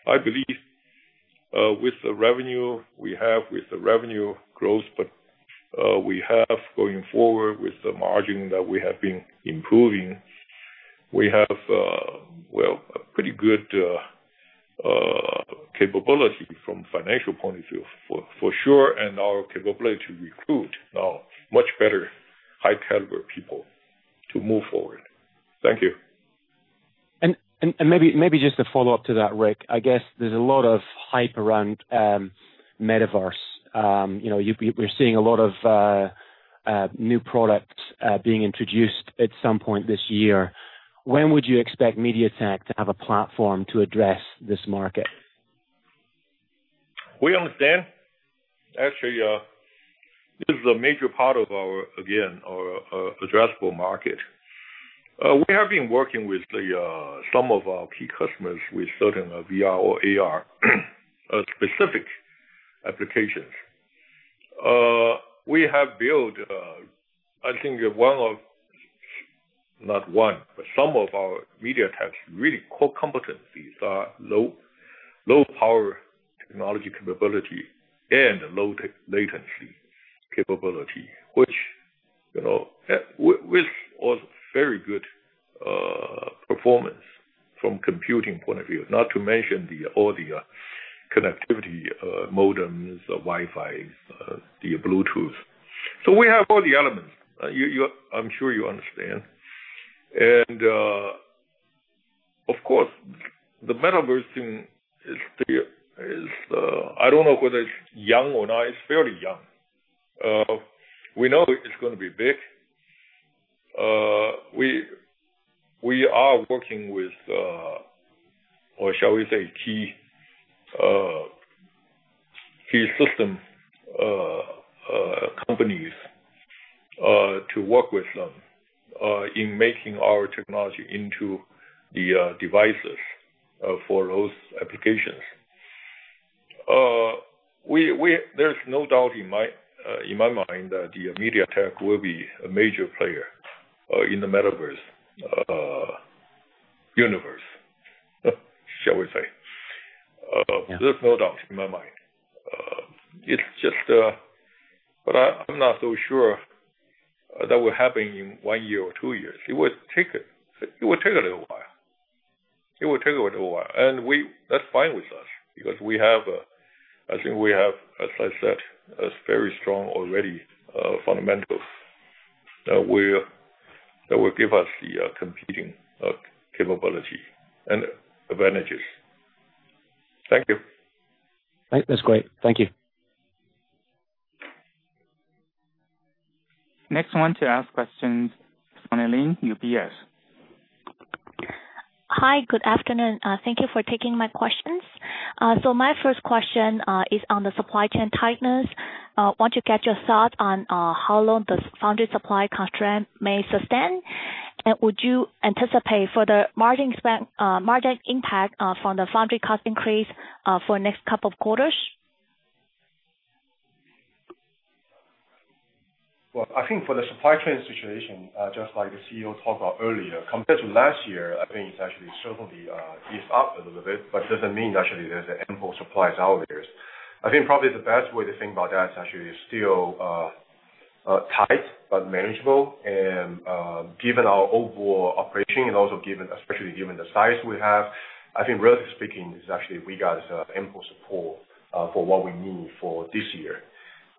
I believe, with the revenue we have, with the revenue growth that we have going forward, with the margin that we have been improving, we have well, a pretty good capability from financial point of view for sure, and our capability to recruit now much better high caliber people to move forward. Thank you. Maybe just a follow-up to that, Rick. I guess there's a lot of hype around metaverse. You know, we're seeing a lot of new products being introduced at some point this year. When would you expect MediaTek to have a platform to address this market? We understand. Actually, this is a major part of our, again, our addressable market. We have been working with some of our key customers with certain VR or AR specific applications. We have built, I think one of, not one, but some of our MediaTek's really core competencies are low power technology capability and low latency capability, which, you know, with all the very good performance from computing point of view, not to mention all the connectivity modems, the Wi-Fi, the Bluetooth. So we have all the elements. I'm sure you understand. Of course, the metaverse thing is still, I don't know whether it's young or not. It's fairly young. We know it's gonna be big. We are working with, or shall we say, key system companies to work with them in making our technology into the devices for those applications. There's no doubt in my mind that MediaTek will be a major player in the metaverse universe, shall we say. There's no doubt in my mind. It's just, but I'm not so sure that will happen in one year or two years. It will take a little while. That's fine with us because we have, I think, as I said, a very strong already fundamentals that will give us the competing capability and advantages. Thank you. That's great. Thank you. Next one to ask questions, Sunny Lin, UBS. Hi, good afternoon. Thank you for taking my questions. My first question is on the supply chain tightness. I want to get your thought on how long this foundry supply constraint may sustain, and would you anticipate for the margin impact from the foundry cost increase for next couple of quarters? Well, I think for the supply chain situation, just like the CEO talked about earlier, compared to last year, I think it's actually certainly eased up a little bit, but it doesn't mean actually there's ample supplies out there. I think probably the best way to think about that is actually still tight but manageable and given our overall operation and also given, especially given the size we have, I think relatively speaking, it's actually we got ample support for what we need for this year.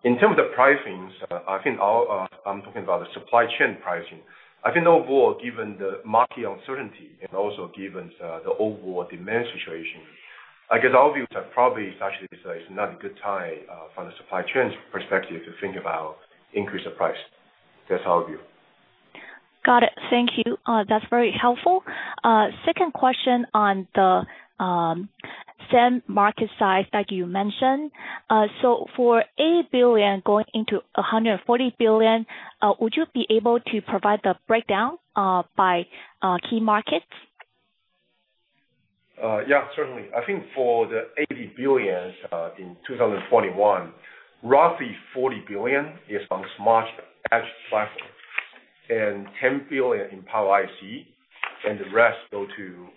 In terms of pricings, I think our, I'm talking about the supply chain pricing. I think overall, given the market uncertainty and also given the overall demand situation, I guess our views are probably it's not a good time from the supply chains perspective to think about increase of price. That's our view. Got it. Thank you. That's very helpful. Second question on the SAM market size that you mentioned. For $80 billion-$140 billion, would you be able to provide the breakdown by key markets? Yeah, certainly. I think for the 80 billion in 2021, roughly 40 billion is on Smart Edge platform, and 10 billion in Power IC, and the rest go to,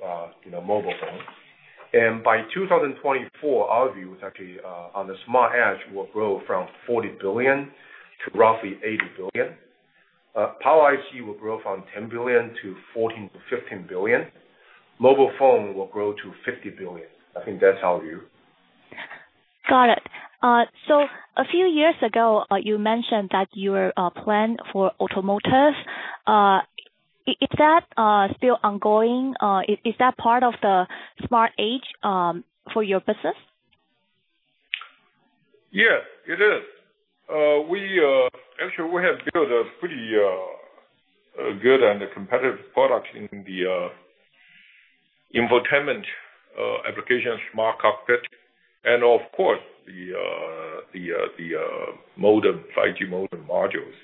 you know, Mobile Phone. By 2024, our view is actually on the Smart Edge will grow from 40 billion to roughly 80 billion. Power IC will grow from 10 billion to 14 billion-15 billion. Mobile Phone will grow to 50 billion. I think that's our view. Got it. A few years ago, you mentioned that your plan for automotive. Is that still ongoing? Is that part of the Smart Edge for your business? Yeah, it is. We actually have built a pretty good and competitive product in the infotainment applications, smart cockpit, and of course, the modem, 5G modem modules.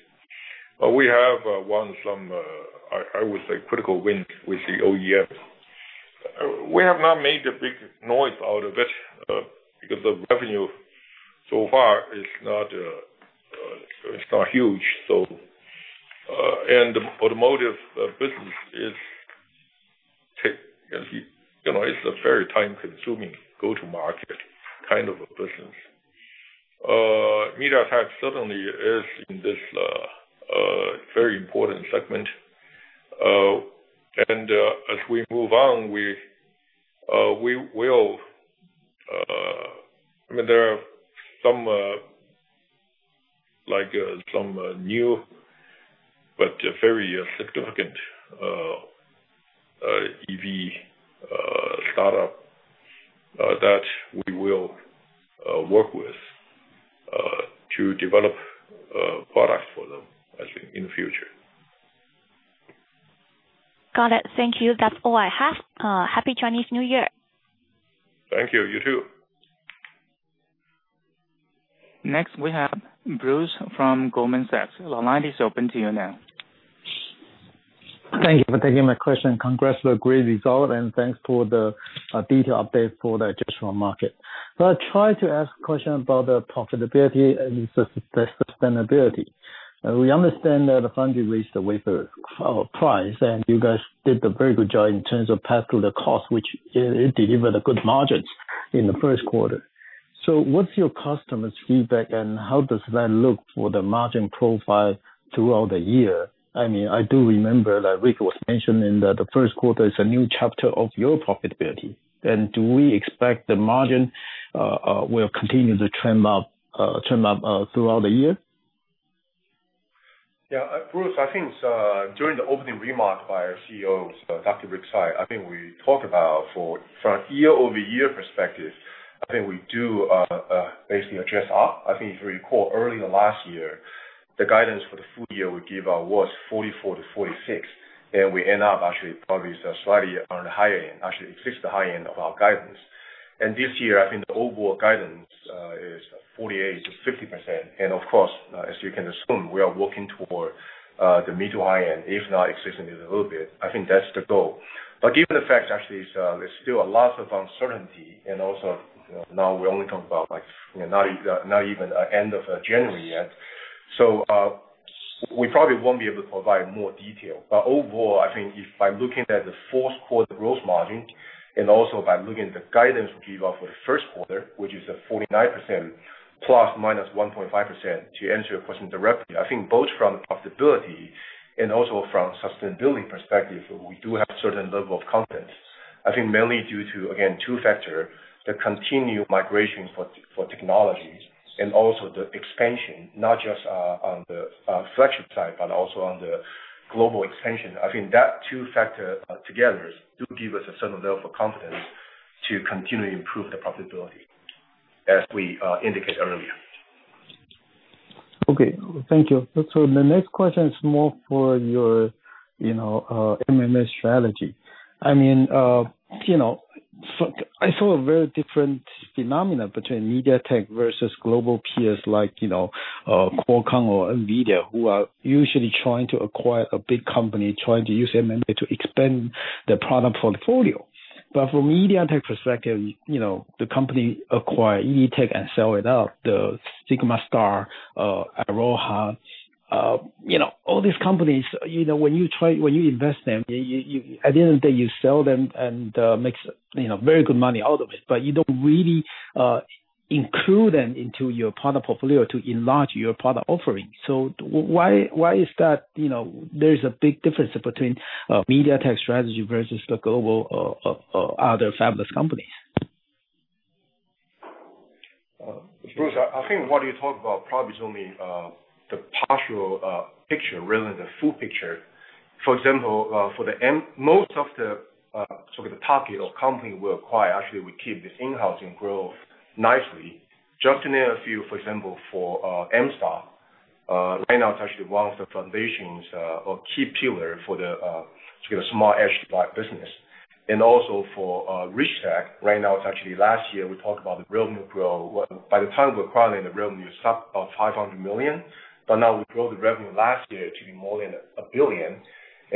We have won some. I would say critical win with the OEM. We have not made a big noise out of it because the revenue so far is not huge. The automotive business is, you know, a very time-consuming go-to-market kind of a business. MediaTek certainly is in this very important segment. As we move on, we will. I mean, there are some, like, new but very significant EV startup that we will work with to develop products for them, I think, in the future. Got it. Thank you. That's all I have. Happy Chinese New Year. Thank you. You too. Next, we have Bruce from Goldman Sachs. The line is open to you now. Thank you for taking my question. Congrats for the great result, and thanks for the detail update for the additional market. I try to ask question about the profitability and the sustainability. We understand that the foundry raised the wafer price, and you guys did a very good job in terms of pass through the cost, which delivered good margins in the first quarter. So what's your customers' feedback, and how does that look for the margin profile throughout the year? I mean, I do remember that Rick was mentioning that the first quarter is a new chapter of your profitability. Do we expect the margin will continue to trend up throughout the year? Bruce, I think during the opening remark by our CEO, Dr. Rick Tsai, I think we talked about from year-over-year perspective. I think we do basically add up. I think if you recall earlier last year, the guidance for the full year we gave out was 44%-46%, and we end up actually probably slightly on the higher end, actually exceeding the high end of our guidance. This year, I think the overall guidance is 48%-50%. Of course, as you can assume, we are working toward the mid to high end, if not exceeding it a little bit. I think that's the goal. Given the fact actually is, there's still a lot of uncertainty and also, you know, now we're only talking about, like, you know, not even end of January yet. We probably won't be able to provide more detail. Overall, I think if by looking at the fourth quarter gross margin and also by looking at the guidance we give out for the first quarter, which is 49% ± 1.5%, to answer your question directly, I think both from profitability and also from sustainability perspective, we do have a certain level of confidence. I think mainly due to, again, two factor, the continued migration for technologies and also the expansion not just on the fraction side but also on the global expansion. I think that two factors together do give us a certain level of confidence to continue to improve the profitability as we indicated earlier. Okay. Thank you. The next question is more for your, you know, M&A strategy. I mean, you know, I saw a very different phenomena between MediaTek versus global peers like, you know, Qualcomm or NVIDIA, who are usually trying to acquire a big company, trying to use M&A to expand their product portfolio. But from MediaTek perspective, you know, the company acquire Etek and sell it out, the SigmaStar, Airoha. You know, all these companies, you know, when you invest them, you at the end of the day you sell them and, makes, you know, very good money out of it, but you don't really, include them into your product portfolio to enlarge your product offering. Why is that, you know? There is a big difference between MediaTek strategy versus the global other fabless companies? Bruce, I think what you talked about probably is only the partial picture rather than the full picture. For example, for most of the sort of the target or company we acquire, actually, we keep this in-house and grow nicely. Just to name a few, for example, for MStar, right now it's actually one of the foundations or key pillar for the Smart Edge AI business. Also for Richtek, right now it's actually last year we talked about the revenue growth. By the time we're acquiring the revenue, it's up about 500 million. But now we grow the revenue last year to be more than 1 billion.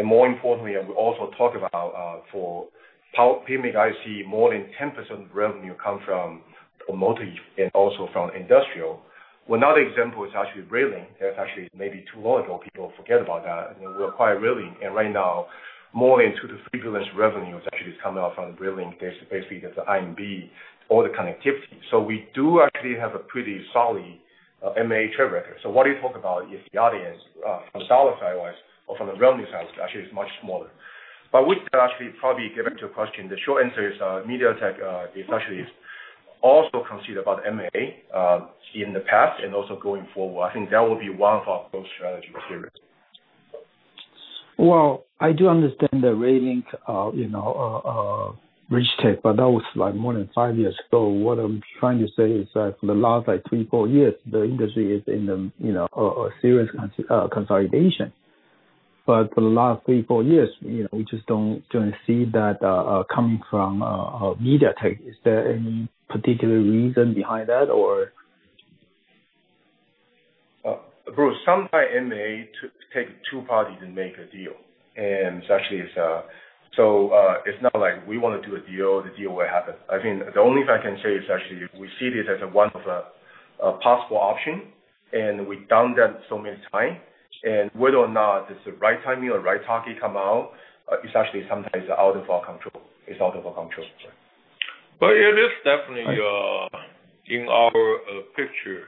More importantly, we also talked about, for power PMIC, I see more than 10% of the revenue come from multi and also from industrial. One other example is actually Ralink. That's actually maybe two months ago, people forget about that. We acquired Ralink, and right now more into the fabless revenue is actually coming out from Ralink. Basically, it's the IMD or the connectivity. We do actually have a pretty solid M&A track record. What are you talking about if the audience, from the dollar side wise or from the revenue side, actually is much smaller. With that, actually probably get back to your question. The short answer is, MediaTek is actually also considered about M&A in the past and also going forward. I think that will be one of our growth strategy here. Well, I do understand the Ralink, you know, Bridge Tech, but that was like more than five years ago. What I'm trying to say is that for the last, like, three, four years, the industry is in the, you know, a serious consolidation. For the last three, four years, you know, we just don't see that coming from MediaTek. Is there any particular reason behind that, or? Bruce, sometimes M&A to take two parties and make a deal, and it's actually, it's not like we wanna do a deal, the deal will happen. I think the only thing I can say is actually we see this as one of the possible option, and we've done that so many times. Whether or not it's the right timing or right target comes out, it's actually sometimes out of our control. It's out of our control. It is definitely in our picture.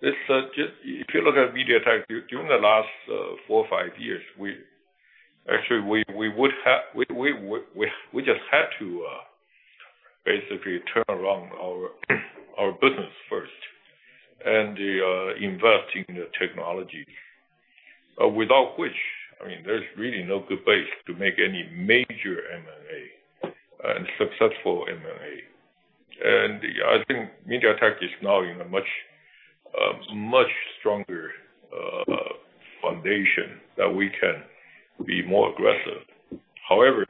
It's just if you look at MediaTek during the last four or five years, we actually just had to basically turn around our business first and invest in the technology. Without which, I mean, there's really no good base to make any major M&A and successful M&A. I think MediaTek is now in a much stronger foundation that we can be more aggressive. However,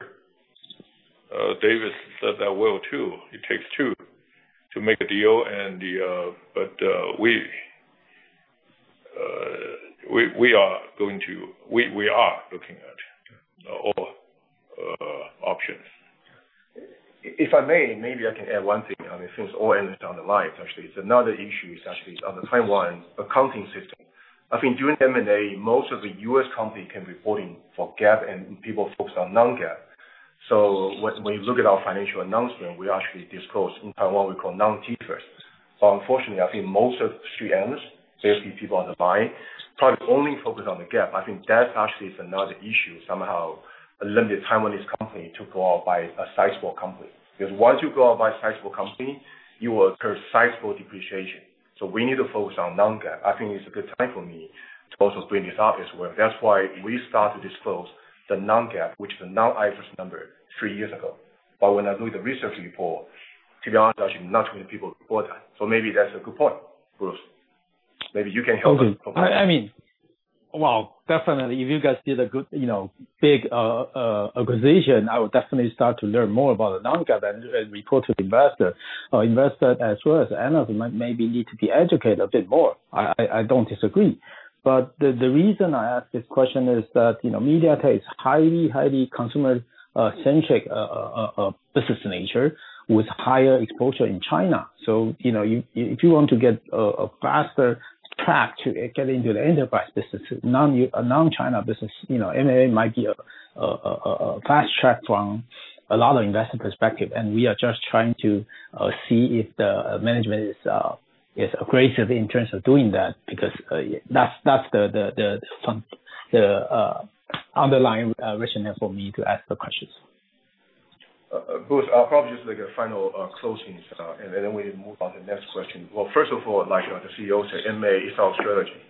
David said that well, too. It takes two to make a deal, but we are going to. We are looking at all options. If I may, maybe I can add one thing. I mean, since all analysts on the line, actually it's another issue actually on the Taiwan accounting system. I think during M&A, most of the U.S. company can be reporting for GAAP, and people focus on non-GAAP. When you look at our financial announcement, we actually disclose in Taiwan what we call non-TIFRS. Unfortunately, I think most of street analysts, basically people on the buy, probably only focus on the GAAP. I think that actually is another issue, somehow limits Taiwanese company to go out and buy a sizable company. Because once you go out and buy a sizable company, you will incur sizable depreciation. We need to focus on non-GAAP. I think it's a good time for me to also bring this out as well. That's why we start to disclose the non-GAAP, which is the non-TIFRS number three years ago. But when I do the research report, to be honest, actually not many people bought that. Maybe that's a good point, Bruce. Maybe you can help us. I mean, well, definitely if you guys did a good, you know, big acquisition, I would definitely start to learn more about the Non-GAAP and report to the investor. Investor as well as analyst might maybe need to be educated a bit more. I don't disagree. The reason I ask this question is that, you know, MediaTek is highly consumer centric business nature with higher exposure in China. If you want to get a faster track to get into the enterprise business, non-China business, you know, MA might be a fast track from a lot of investor perspective. We are just trying to see if the management is aggressive in terms of doing that because that's the underlying rationale for me to ask the questions. Bruce, I'll probably just make a final closing, and then we move on to the next question. Well, first of all, like the CEO said, MA is our strategy.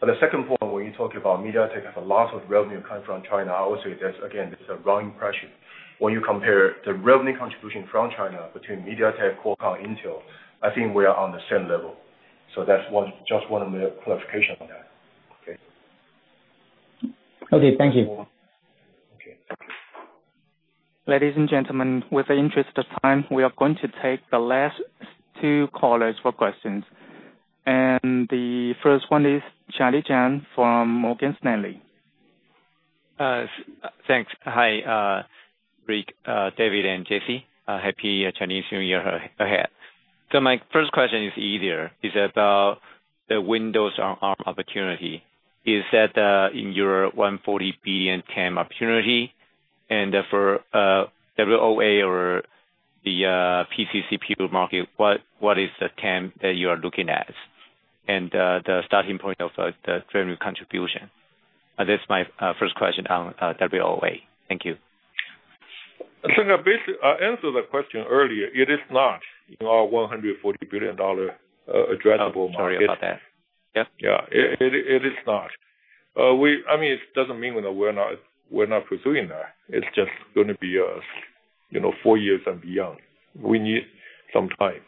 The second point, when you talk about MediaTek has a lot of revenue come from China, I would say there's, again, a wrong impression. When you compare the revenue contribution from China between MediaTek, Qualcomm, Intel, I think we are on the same level. That's one, just one clarification on that. Okay. Okay. Thank you. Okay. Ladies and gentlemen, with the interest of time, we are going to take the last two callers for questions. The first one is Charlie Chan from Morgan Stanley. Thanks. Hi, Rick, David and Jessie. Happy Chinese New Year ahead. My first question is easier. It's about the Windows on Arm opportunity. Is that in your $140 billion TAM opportunity? And therefore, WoA or the PC platform market, what is the TAM that you are looking at? And the starting point of the revenue contribution. That's my first question on WoA. Thank you. I answered that question earlier. It is not in our $140 billion addressable market. Oh, sorry about that. Yeah, it is not. I mean, it doesn't mean we're not pursuing that. It's just gonna be, you know, four years and beyond. We need some time.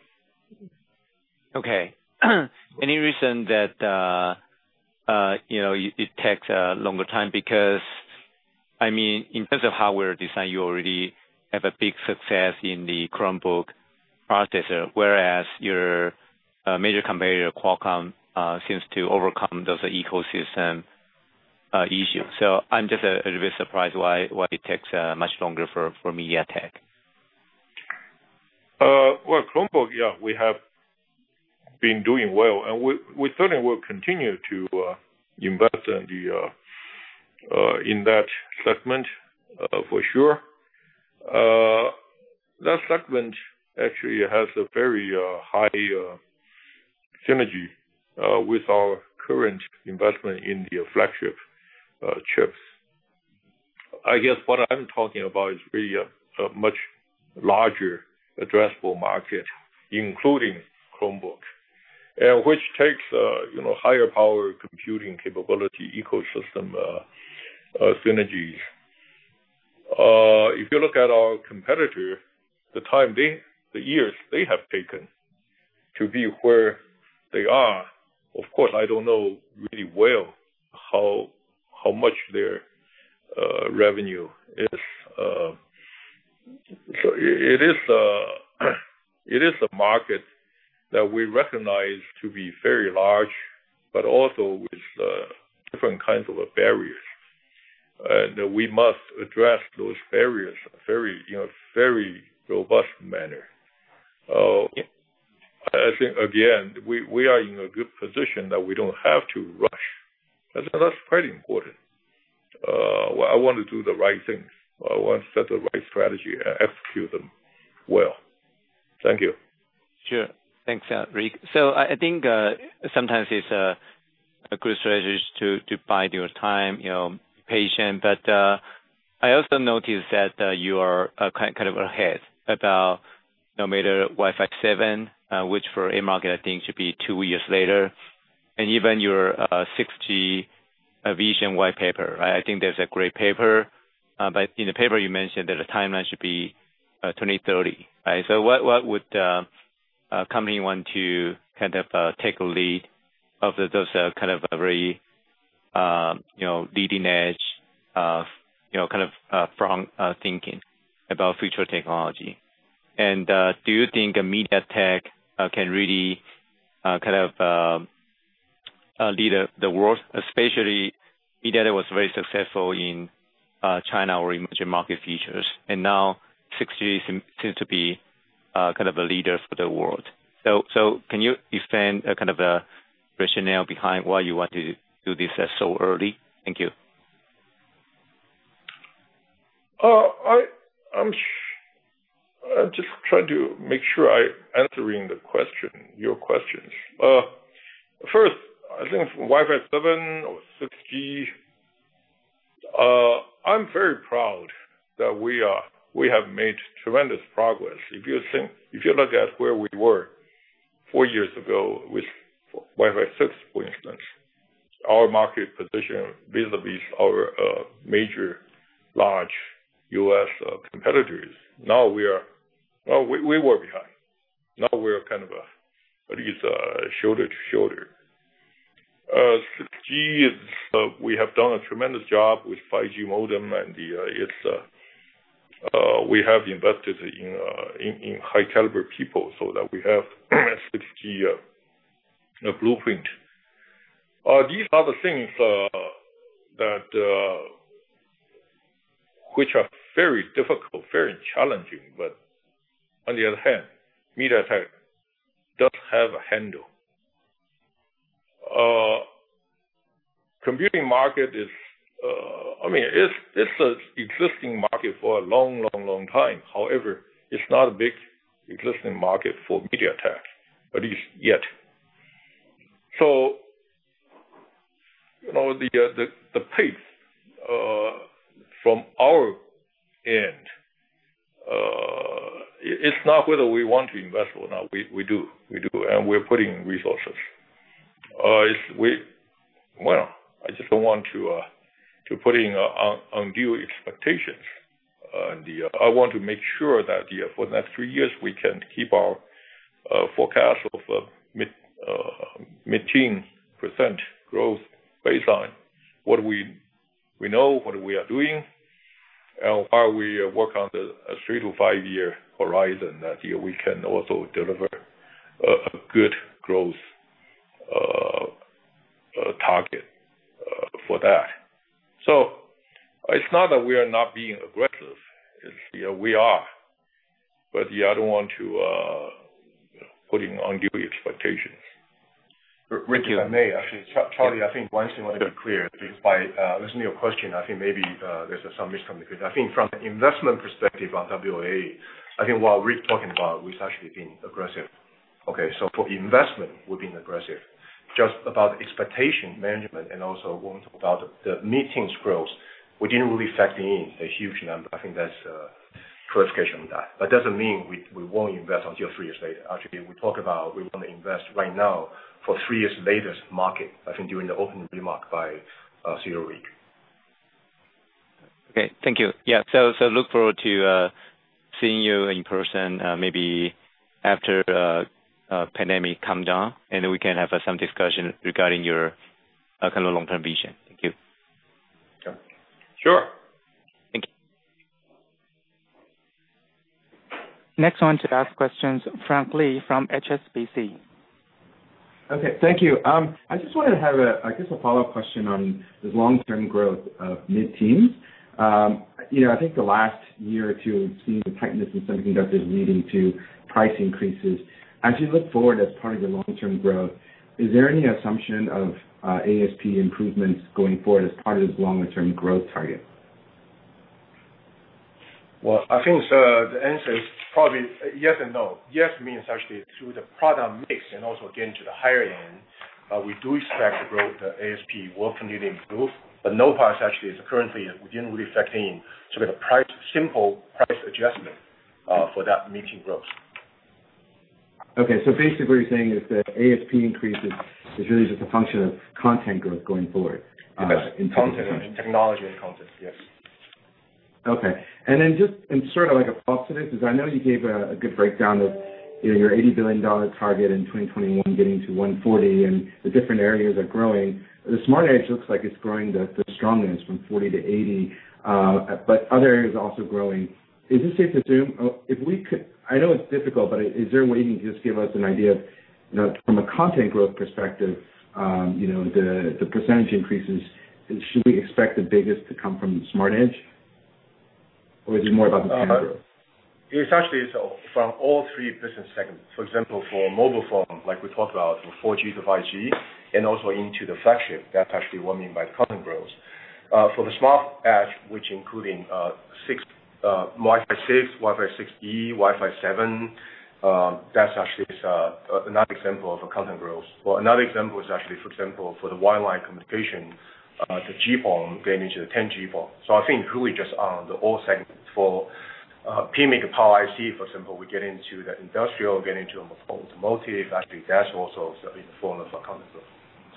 Okay. Any reason that, you know, it takes a longer time? Because, I mean, in terms of hardware design, you already have a big success in the Chromebook processor, whereas your major competitor, Qualcomm, seems to overcome those ecosystem issues. I'm just a little bit surprised why it takes much longer for MediaTek. Well, Chromebook, yeah, we have been doing well, and we certainly will continue to invest in that segment, for sure. That segment actually has a very high synergy with our current investment in the flagship chips. I guess what I'm talking about is really a much larger addressable market, including Chromebook, and which takes you know, higher power computing capability, ecosystem synergies. If you look at our competitor, the years they have taken to be where they are, of course, I don't know really well how much their revenue is. It is a market that we recognize to be very large, but also with different kinds of barriers. We must address those barriers you know, very robust manner. I think again, we are in a good position that we don't have to rush. That's quite important. I want to do the right things. I want to set the right strategy and execute them well. Thank you. Sure. Thanks, Rick. I think sometimes it's a good strategy to bide your time, you know, patient. I also noticed that you are kind of ahead, no matter Wi-Fi 7, which for a market I think should be two years later, and even your 6G vision white paper. I think that's a great paper. In the paper you mentioned that the timeline should be 2030, right? What would company want to kind of take a lead of those kind of very, you know, leading edge of, you know, kind of from thinking about future technology. Do you think MediaTek can really kind of lead the world? Especially MediaTek was very successful in China or emerging market feature phones, and now 6G seems to be kind of a leader for the world. Can you explain kind of the rationale behind why you want to do this so early? Thank you. I'm just trying to make sure I'm answering your questions. First, I think Wi-Fi 7 or 6G, I'm very proud that we have made tremendous progress. If you look at where we were four years ago with Wi-Fi 6, for instance, our market position vis-à-vis our major large U.S. competitors, we were behind. Now we are kind of at least shoulder to shoulder. 6G, we have done a tremendous job with 5G modem and we have invested in high caliber people so that we have 6G blueprint. These are the things that are very difficult, very challenging, but on the other hand, MediaTek does have a handle. Computing market is, I mean, it's an existing market for a long, long, long time. However, it's not a big existing market for MediaTek, at least yet. You know, the pace from our end, it's not whether we want to invest or not. We do. We're putting resources. Well, I just don't want to put undue expectations on the. I want to make sure that, yeah, for the next three years, we can keep our forecast of mid-teen% growth baseline, what we know, what we are doing, and while we work on the three- to five-year horizon that, yeah, we can also deliver a good growth target for that. It's not that we are not being aggressive. You know, we are. Yeah, I don't want to put in undue expectations. Rick, if I may. Actually, Charlie, I think one thing I want to be clear, because by listening to your question, I think maybe there's some miscommunication. I think from an investment perspective on WoA, I think what Rick's talking about, we've actually been aggressive. Okay? For investment, we've been aggressive. Just about expectation management and also when we talk about the mid-teens growth, we didn't really factor in a huge number. I think that's. That doesn't mean we won't invest until three years later. Actually, we talk about we wanna invest right now for three years latest market, I think during the opening remark by CEO Rick. Okay. Thank you. Yeah, look forward to seeing you in person, maybe after the pandemic calms down, and then we can have some discussion regarding your kind of long-term vision. Thank you. Sure. Thank you. Next one to ask questions, Frank Lee from HSBC. Okay. Thank you. I just wanted to have, I guess, a follow-up question on the long-term growth of mid-teens. You know, I think the last year or two, we've seen the tightness in semiconductors leading to price increases. As you look forward as part of your long-term growth, is there any assumption of ASP improvements going forward as part of this longer term growth target? Well, I think the answer is probably yes and no. Yes means actually through the product mix and also getting to the higher end, we do expect the growth, the ASP will continue to improve. No price actually is currently we didn't really factor in sort of a price, simple price adjustment, for that mid-teen growth. Okay. Basically what you're saying is that ASP increases is really just a function of content growth going forward. Content and technology and content, yes. Okay. Just sort of like a follow-up to this, because I know you gave a good breakdown of, you know, your $80 billion target in 2021 getting to $140 billion, and the different areas are growing. The Smart Edge looks like it's growing the strongest from $40 billion to $80 billion, but other areas also growing. Is it safe to assume. If we could. I know it's difficult, but is there a way you can just give us an idea of, you know, from a content growth perspective, you know, the percentage increases, should we expect the biggest to come from Smart Edge? Or is it more about the content growth? It's actually from all three business segments. For example, for Mobile Phone, like we talked about, from 4G to 5G, and also into the flagship, that's actually what I mean by content growth. For the Smart Edge, which including Wi-Fi 6, Wi-Fi 6E, Wi-Fi 7, that's actually another example of a content growth. Another example is actually, for example, for the wireline communication, the GPON getting into the 10G PON. I think really just on all segments for PMIC Power IC, for example, we get into the industrial, get into automotive. Actually, that's also in the form of a content growth.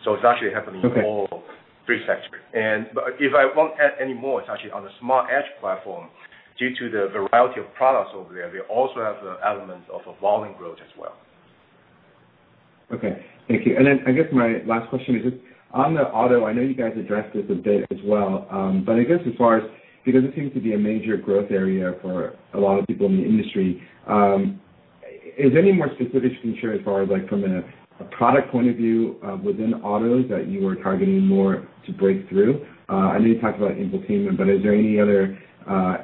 It's actually happening. Okay. In all three sectors. If I want to add any more, it's actually on the Smart Edge platform. Due to the variety of products over there, we also have the elements of a volume growth as well. Okay. Thank you. I guess my last question is just on the auto. I know you guys addressed this a bit as well, but I guess, as far as, because it seems to be a major growth area for a lot of people in the industry, is there any more specificity you can share as far as like from a product point of view within autos that you are targeting more to break through? I know you talked about infotainment, but is there any other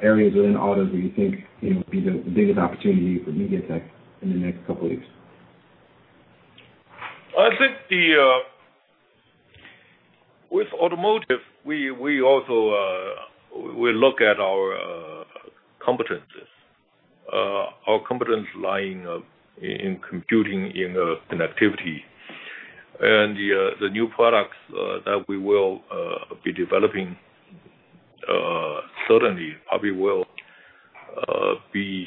areas within autos that you think, you know, would be the biggest opportunity for MediaTek in the next couple of years? I think with automotive, we also look at our competencies. Our competencies lying in computing, in connectivity. The new products that we will be developing certainly probably will be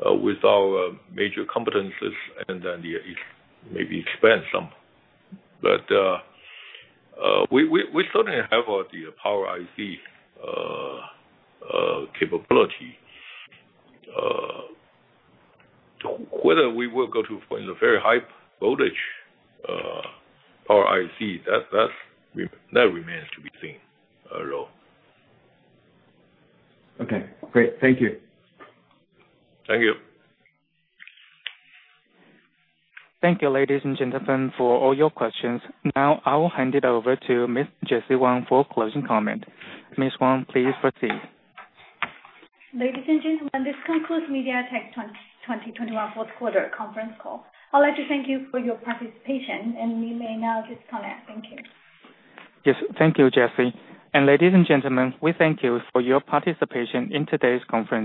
with our major competencies and then maybe expand some. We certainly have the Power IC capability. Whether we will go to a very high voltage Power IC, that remains to be seen, Frank. Okay. Great. Thank you. Thank you. Thank you, ladies and gentlemen, for all your questions. Now I will hand it over to Miss Jessie Wang for closing comment. Miss Wang, please proceed. Ladies and gentlemen, this concludes MediaTek 2021 fourth quarter conference call. I'd like to thank you for your participation, and you may now disconnect. Thank you. Yes. Thank you, Jessie. Ladies and gentlemen, we thank you for your participation in today's conference.